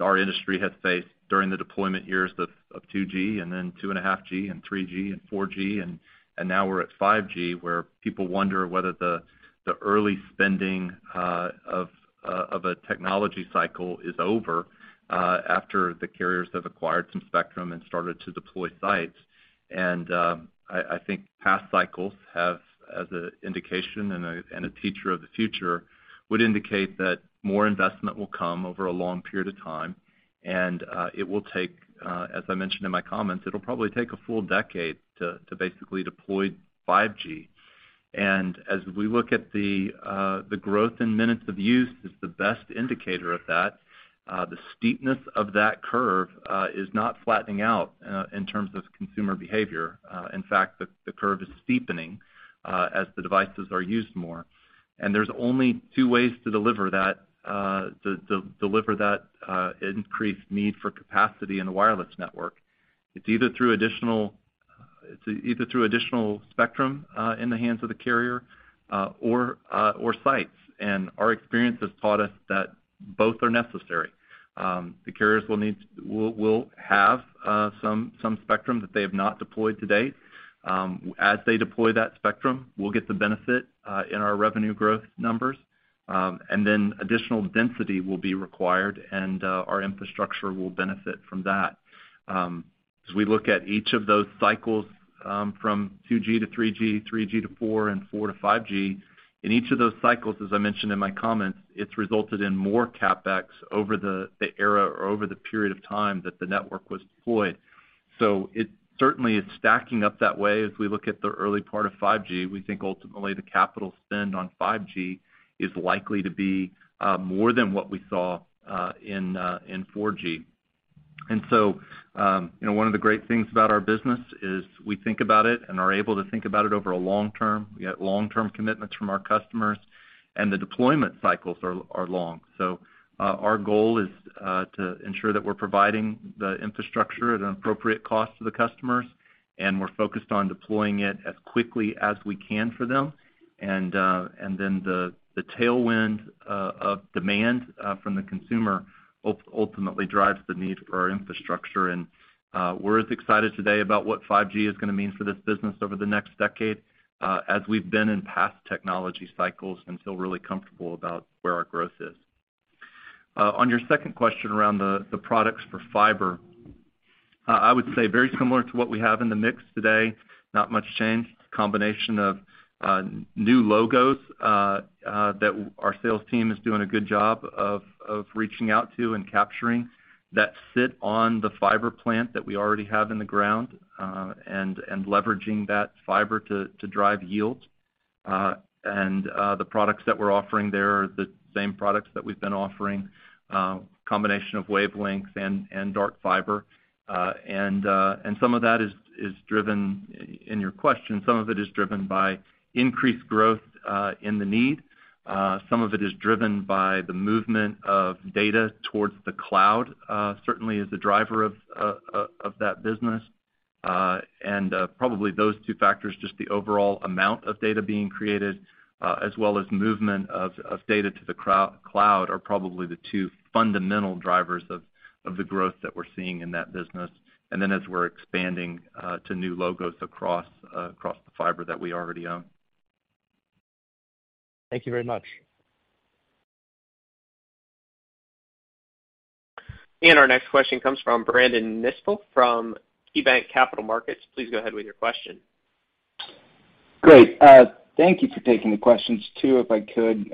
our industry has faced during the deployment years of 2G and then 2.5G and 3G and 4G and now we're at 5G, where people wonder whether the early spending of a technology cycle is over after the carriers have acquired some spectrum and started to deploy sites. I think past cycles have, as a indication and a teacher of the future, would indicate that more investment will come over a long period of time and it will take, as I mentioned in my comments, it'll probably take a full decade to basically deploy 5G. As we look at the growth in minutes of use is the best indicator of that, the steepness of that curve is not flattening out in terms of consumer behavior. In fact, the curve is steepening as the devices are used more. There's only two ways to deliver that, to deliver that increased need for capacity in a wireless network. It's either through additional spectrum in the hands of the carrier or sites. Our experience has taught us that both are necessary. The carriers will have some spectrum that they have not deployed to date. As they deploy that spectrum, we'll get the benefit in our revenue growth numbers. Additional density will be required, and our infrastructure will benefit from that. As we look at each of those cycles, from 2G to 3G to 4, and 4 to 5G, in each of those cycles, as I mentioned in my comments, it's resulted in more CapEx over the era or over the period of time that the network was deployed. It certainly is stacking up that way as we look at the early part of 5G. We think ultimately the capital spend on 5G is likely to be more than what we saw in 4G. You know, one of the great things about our business is we think about it and are able to think about it over a long term. We got long-term commitments from our customers, and the deployment cycles are long. Our goal is to ensure that we're providing the infrastructure at an appropriate cost to the customers, and we're focused on deploying it as quickly as we can for them. Then the tailwind of demand from the consumer ultimately drives the need for our infrastructure. We're as excited today about what 5G is gonna mean for this business over the next decade as we've been in past technology cycles and feel really comfortable about where our growth is. On your second question around the products for fiber, I would say very similar to what we have in the mix today, not much change. It's a combination of new logos that our sales team is doing a good job of reaching out to and capturing that sit on the fiber plant that we already have in the ground, and leveraging that fiber to drive yield. The products that we're offering there are the same products that we've been offering, combination of wavelength and dark fiber. Some of that is driven. In your question, some of it is driven by increased growth in the need. Some of it is driven by the movement of data towards the cloud, certainly is the driver of that business. Probably those two factors, just the overall amount of data being created, as well as movement of data to the cloud are probably the two fundamental drivers of the growth that we're seeing in that business, and then as we're expanding to new logos across the fiber that we already own. Thank you very much. Our next question comes from Brandon Nispel from KeyBanc Capital Markets. Please go ahead with your question. Great. Thank you for taking the questions too, if I could.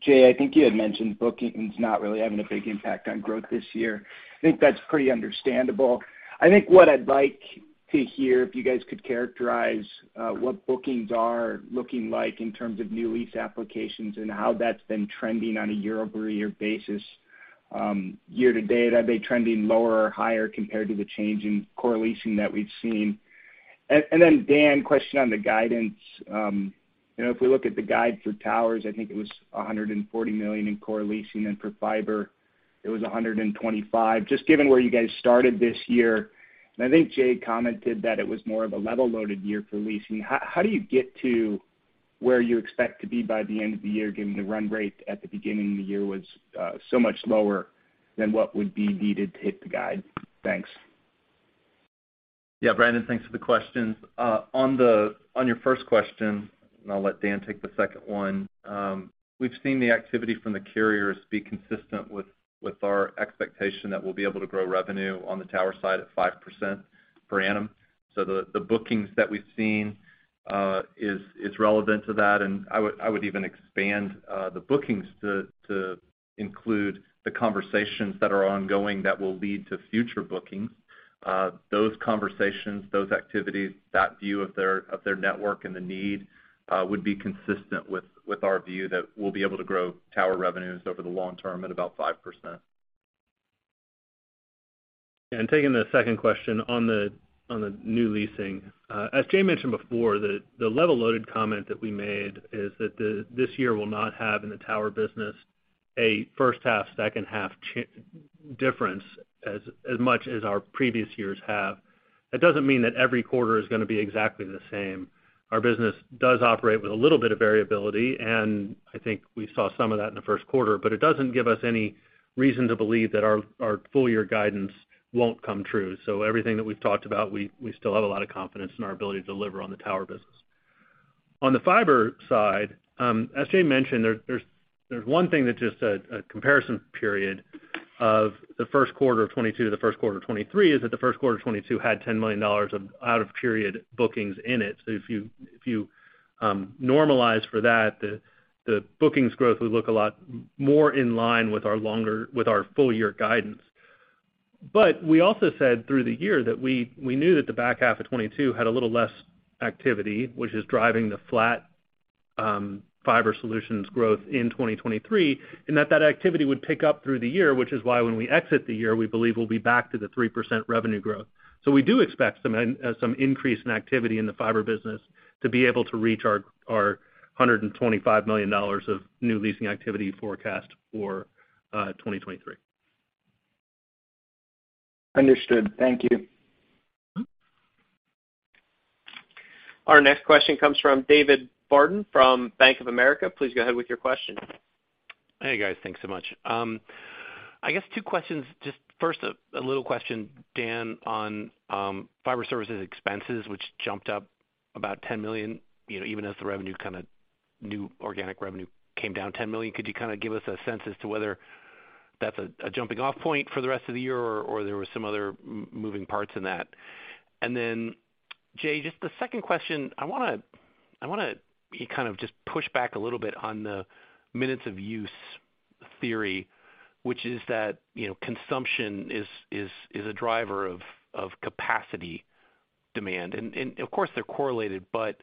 Jay, I think you had mentioned bookings not really having a big impact on growth this year. I think that's pretty understandable. I think what I'd like to hear, if you guys could characterize what bookings are looking like in terms of new lease applications and how that's been trending on a year-over-year basis, year to date, are they trending lower or higher compared to the change in core leasing that we've seen? Then Dan, question on the guidance. You know, if we look at the guide for towers, I think it was $140 million in core leasing, and for fiber, it was $125 million. Just given where you guys started this year, and I think Jay commented that it was more of a level-loaded year for leasing, how do you get to where you expect to be by the end of the year given the run rate at the beginning of the year was so much lower than what would be needed to hit the guide? Thanks. Yeah. Brandon, thanks for the questions. On your first question, I'll let Dan take the second one. We've seen the activity from the carriers be consistent with our expectation that we'll be able to grow revenue on the tower side at 5% per annum. The bookings that we've seen is relevant to that, and I would even expand the bookings to include the conversations that are ongoing that will lead to future bookings. Those conversations, those activities, that view of their network and the need would be consistent with our view that we'll be able to grow tower revenues over the long term at about 5%. Taking the second question on the new leasing. As Jay mentioned before, the level loaded comment that we made is that this year will not have, in the tower business, a H1, H2 difference as much as our previous years have. That doesn't mean that every quarter is gonna be exactly the same. Our business does operate with a little bit of variability, and I think we saw some of that in the Q1, but it doesn't give us any reason to believe that our full year guidance won't come true. Everything that we've talked about, we still have a lot of confidence in our ability to deliver on the tower business. On the fiber side, as Jay mentioned, there's one thing that just a comparison period of the Q1 of 2022 to the Q1 of 2023 is that the Q1 of 2022 had $10 million of out-of-period bookings in it. If you, if you normalize for that, the bookings growth would look a lot more in line with our full year guidance. We also said through the year that we knew that the back half of 2022 had a little less activity, which is driving the flat Fiber Solutions growth in 2023, and that activity would pick up through the year, which is why when we exit the year, we believe we'll be back to the 3% revenue growth. We do expect some increase in activity in the fiber business to be able to reach our $125 million of new leasing activity forecast for 2023. Understood. Thank you. Our next question comes from David Barden from Bank of America. Please go ahead with your question. Hey, guys. Thanks so much. I guess two questions. Just first, a little question, Dan, on fiber services expenses, which jumped up about $10 million, you know, even as the new organic revenue came down $10 million. Could you kinda give us a sense as to whether that's a jumping off point for the rest of the year or there was some other moving parts in that? Jay, just the second question. I wanna be kind of just push back a little bit on the minutes of use theory, which is that, you know, consumption is a driver of capacity demand. Of course, they're correlated, but,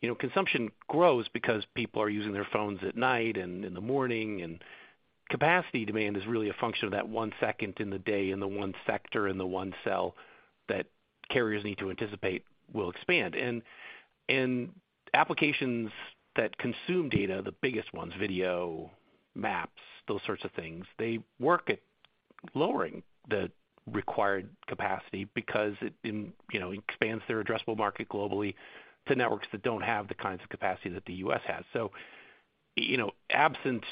you know, consumption grows because people are using their phones at night and in the morning, and capacity demand is really a function of that one second in the day, in the one sector, in the one cell that carriers need to anticipate will expand. Applications that consume data, the biggest ones, video, maps, those sorts of things, they work at lowering the required capacity because it, you know, expands their addressable market globally to networks that don't have the kinds of capacity that the U.S. has. You know, absent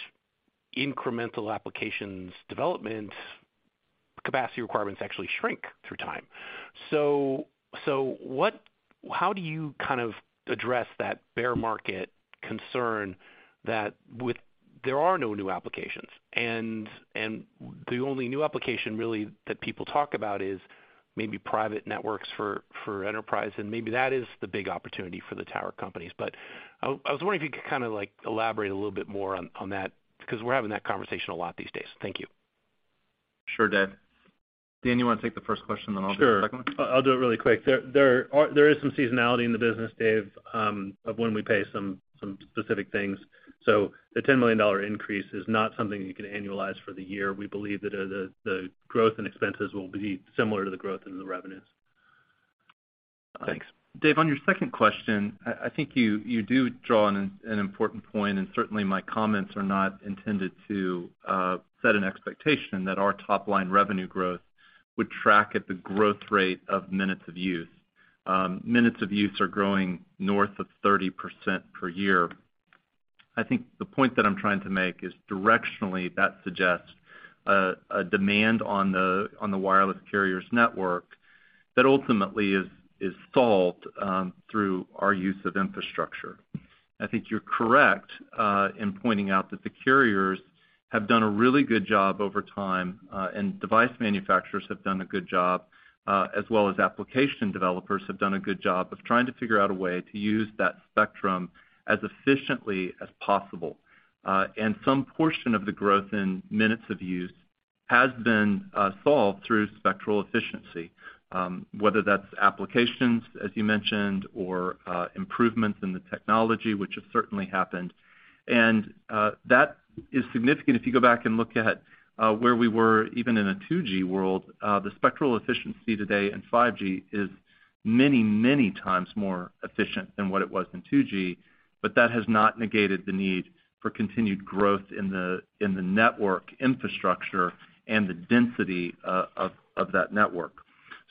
incremental applications development, capacity requirements actually shrink through time. How do you kind of address that bear market concern that with there are no new applications, and the only new application really that people talk about is maybe private networks for enterprise, and maybe that is the big opportunity for the tower companies? I was wondering if you could kinda like elaborate a little bit more on that, 'cause we're having that conversation a lot these days. Thank you. Sure, Dave. Dan, you wanna take the first question, then I'll do the second one? Sure. I'll do it really quick. There is some seasonality in the business, Dave, of when we pay some specific things. The $10 million increase is not something you can annualize for the year. We believe that the growth in expenses will be similar to the growth in the revenues. Thanks. Dave, on your second question, I think you do draw an important point. Certainly my comments are not intended to set an expectation that our top-line revenue growth would track at the growth rate of minutes of use. Minutes of use are growing north of 30% per year. I think the point that I'm trying to make is directionally, that suggests a demand on the wireless carrier's network that ultimately is solved through our use of infrastructure. I think you're correct in pointing out that the carriers have done a really good job over time, and device manufacturers have done a good job, as well as application developers have done a good job of trying to figure out a way to use that spectrum as efficiently as possible. Some portion of the growth in minutes of use has been solved through spectral efficiency, whether that's applications, as you mentioned, or improvements in the technology, which has certainly happened. That is significant. If you go back and look at where we were, even in a 2G world, the spectral efficiency today in 5G is many, many times more efficient than what it was in 2G, but that has not negated the need for continued growth in the network infrastructure and the density of that network.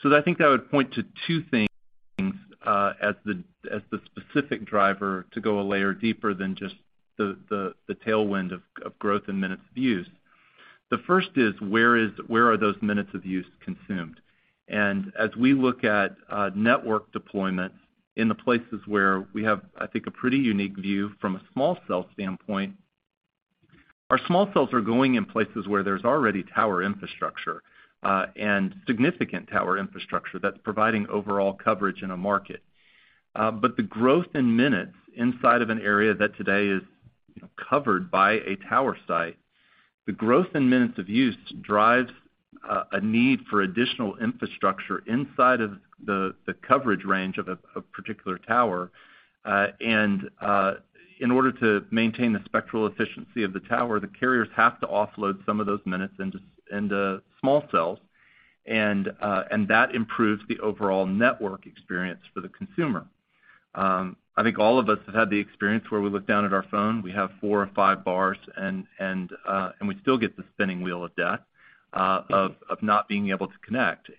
I think I would point to two things as the specific driver to go a layer deeper than just the tailwind of growth in minutes of use. The first is where are those minutes of use consumed? As we look at network deployments in the places where we have, I think, a pretty unique view from a small cell standpoint, our small cells are going in places where there's already tower infrastructure and significant tower infrastructure that's providing overall coverage in a market. The growth in minutes inside of an area that today is, you know, covered by a tower site, the growth in minutes of use drives a need for additional infrastructure inside of the coverage range of a particular tower. In order to maintain the spectral efficiency of the tower, the carriers have to offload some of those minutes into small cells, and that improves the overall network experience for the consumer. I think all of us have had the experience where we look down at our phone, we have four or five bars, and we still get the spinning wheel of death of not being able to connect.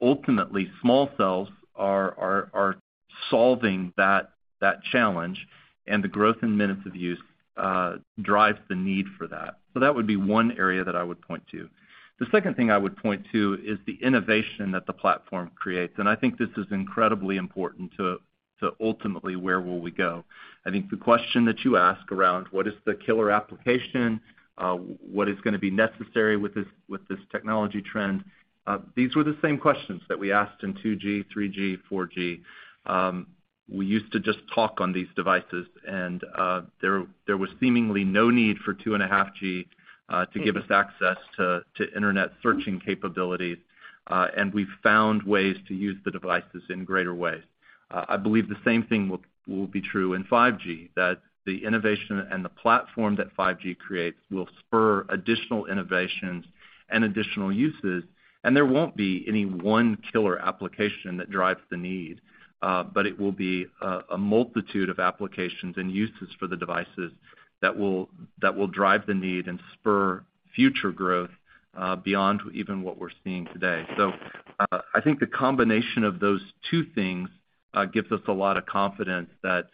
Ultimately, small cells are solving that challenge, and the growth in minutes of use drives the need for that. That would be one area that I would point to. The second thing I would point to is the innovation that the platform creates, and I think this is incredibly important to ultimately where will we go. I think the question that you ask around what is the killer application, what is gonna be necessary with this technology trend, these were the same questions that we asked in 2G, 3G, 4G. We used to just talk on these devices and there was seemingly no need for 2.5G to give us access to internet searching capabilities, and we found ways to use the devices in greater ways. I believe the same thing will be true in 5G, that the innovation and the platform that 5G creates will spur additional innovations and additional uses. There won't be any one killer application that drives the need, but it will be a multitude of applications and uses for the devices that will drive the need and spur future growth beyond even what we're seeing today. I think the combination of those two things gives us a lot of confidence that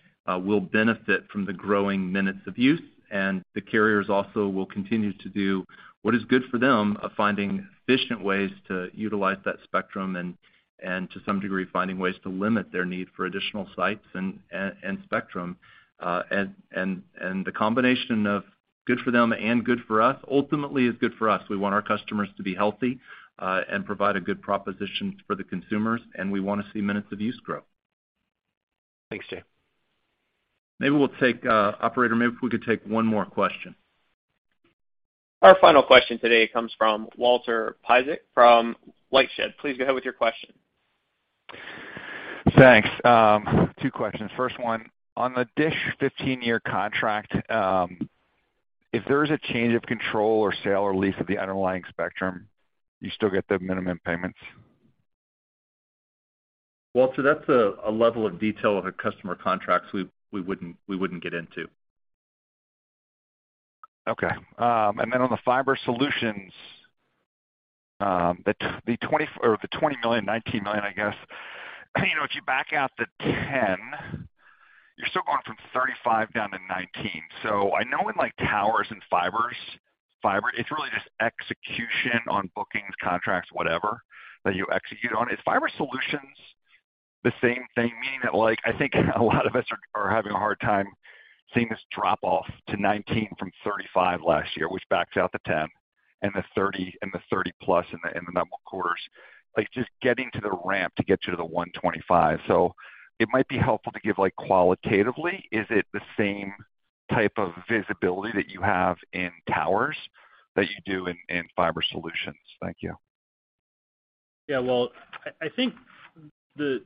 we'll benefit from the growing minutes of use, and the carriers also will continue to do what is good for them of finding efficient ways to utilize that spectrum and to some degree, finding ways to limit their need for additional sites and spectrum. The combination of good for them and good for us ultimately is good for us. We want our customers to be healthy, and provide a good proposition for the consumers, and we wanna see minutes of use grow. Thanks, Jay. Maybe we'll take, Operator, maybe if we could take one more question. Our final question today comes from Walter Piecyk from LightShed Partners. Please go ahead with your question. Thanks. Two questions. First one, on the DISH 15-year contract, if there is a change of control or sale or lease of the underlying spectrum, do you still get the minimum payments? Walter, that's a level of detail of our customer contracts we wouldn't get into. Okay. On the Fiber Solutions, the $20 million, $19 million, I guess, you know, if you back out the $10, you're still going from $35 down to $19. I know in like towers and fiber, it's really just execution on bookings, contracts, whatever that you execute on. Is Fiber Solutions the same thing, meaning that like, I think a lot of us are having a hard time seeing this drop-off to $19 from $35 last year, which backs out the $10 and the $30 and the $30+ in the number of quarters, like, just getting to the ramp to get you to the $125? It might be helpful to give like qualitatively, is it the same type of visibility that you have in towers that you do in Fiber Solutions? Thank you. Well, I think the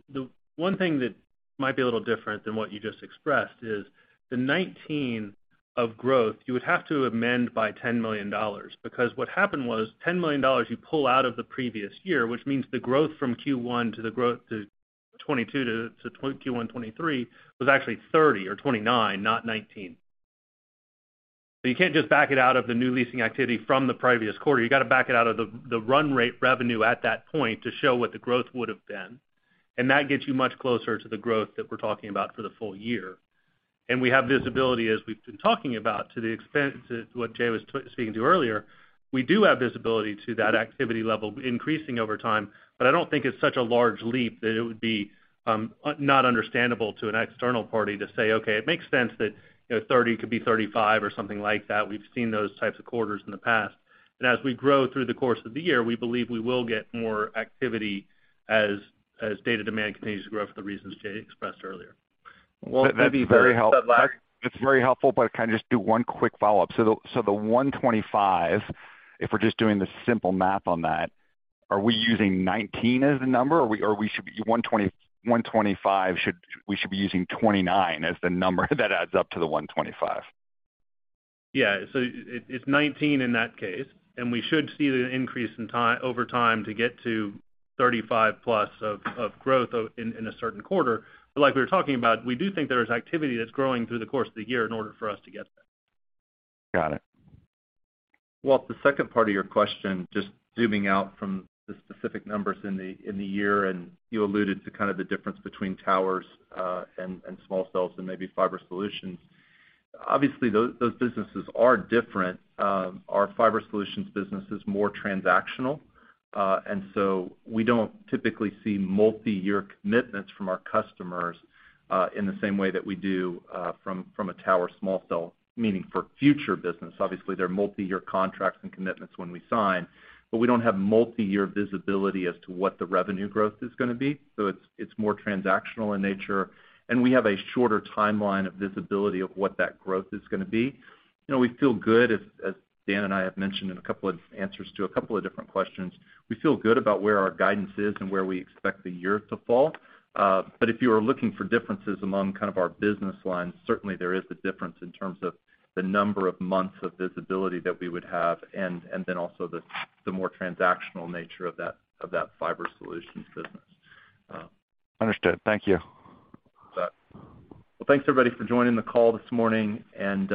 one thing that might be a little different than what you just expressed is the 19 of growth you would have to amend by $10 million, because what happened was $10 million you pull out of the previous year, which means the growth from Q1 to the growth to 2022 to Q1 2023 was actually 30 or 29, not 19. You can't just back it out of the new leasing activity from the previous quarter. You gotta back it out of the run rate revenue at that point to show what the growth would have been. That gets you much closer to the growth that we're talking about for the full year. We have visibility, as we've been talking about, to the expense, to what Jay was speaking to earlier. We do have visibility to that activity level increasing over time, I don't think it's such a large leap that it would be not understandable to an external party to say, "Okay, it makes sense that, you know, 30 could be 35," or something like that. We've seen those types of quarters in the past. As we grow through the course of the year, we believe we will get more activity as data demand continues to grow for the reasons Jay expressed earlier. Well, that's very helpful. Go ahead. That's very helpful, can I just do one quick follow-up? The 125, if we're just doing the simple math on that, are we using 19 as the number, or we should be using 29 as the number that adds up to the 125? It's 19 in that case, and we should see the increase in time, over time to get to 35 plus of growth in a certain quarter. Like we were talking about, we do think there is activity that's growing through the course of the year in order for us to get there. Got it. Walt, the second part of your question, just zooming out from the specific numbers in the year, and you alluded to kind of the difference between towers, and small cells and maybe Fiber Solutions. Obviously, those businesses are different. Our Fiber Solutions business is more transactional, and so we don't typically see multi-year commitments from our customers, in the same way that we do from a tower small cell, meaning for future business. Obviously, they're multi-year contracts and commitments when we sign, but we don't have multi-year visibility as to what the revenue growth is gonna be. It's more transactional in nature, and we have a shorter timeline of visibility of what that growth is gonna be. You know, we feel good as Dan and I have mentioned in a couple of answers to a couple of different questions, we feel good about where our guidance is and where we expect the year to fall. If you are looking for differences among kind of our business lines, certainly there is a difference in terms of the number of months of visibility that we would have and then also the more transactional nature of that, of that Fiber Solutions business. Understood. Thank you. You bet. Well, thanks everybody for joining the call this morning, and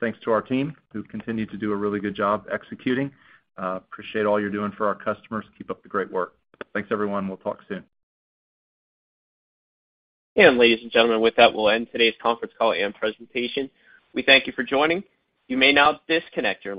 thanks to our team who continue to do a really good job executing. Appreciate all you're doing for our customers. Keep up the great work. Thanks, everyone. We'll talk soon. Ladies and gentlemen, with that, we'll end today's conference call and presentation. We thank you for joining. You may now disconnect your lines.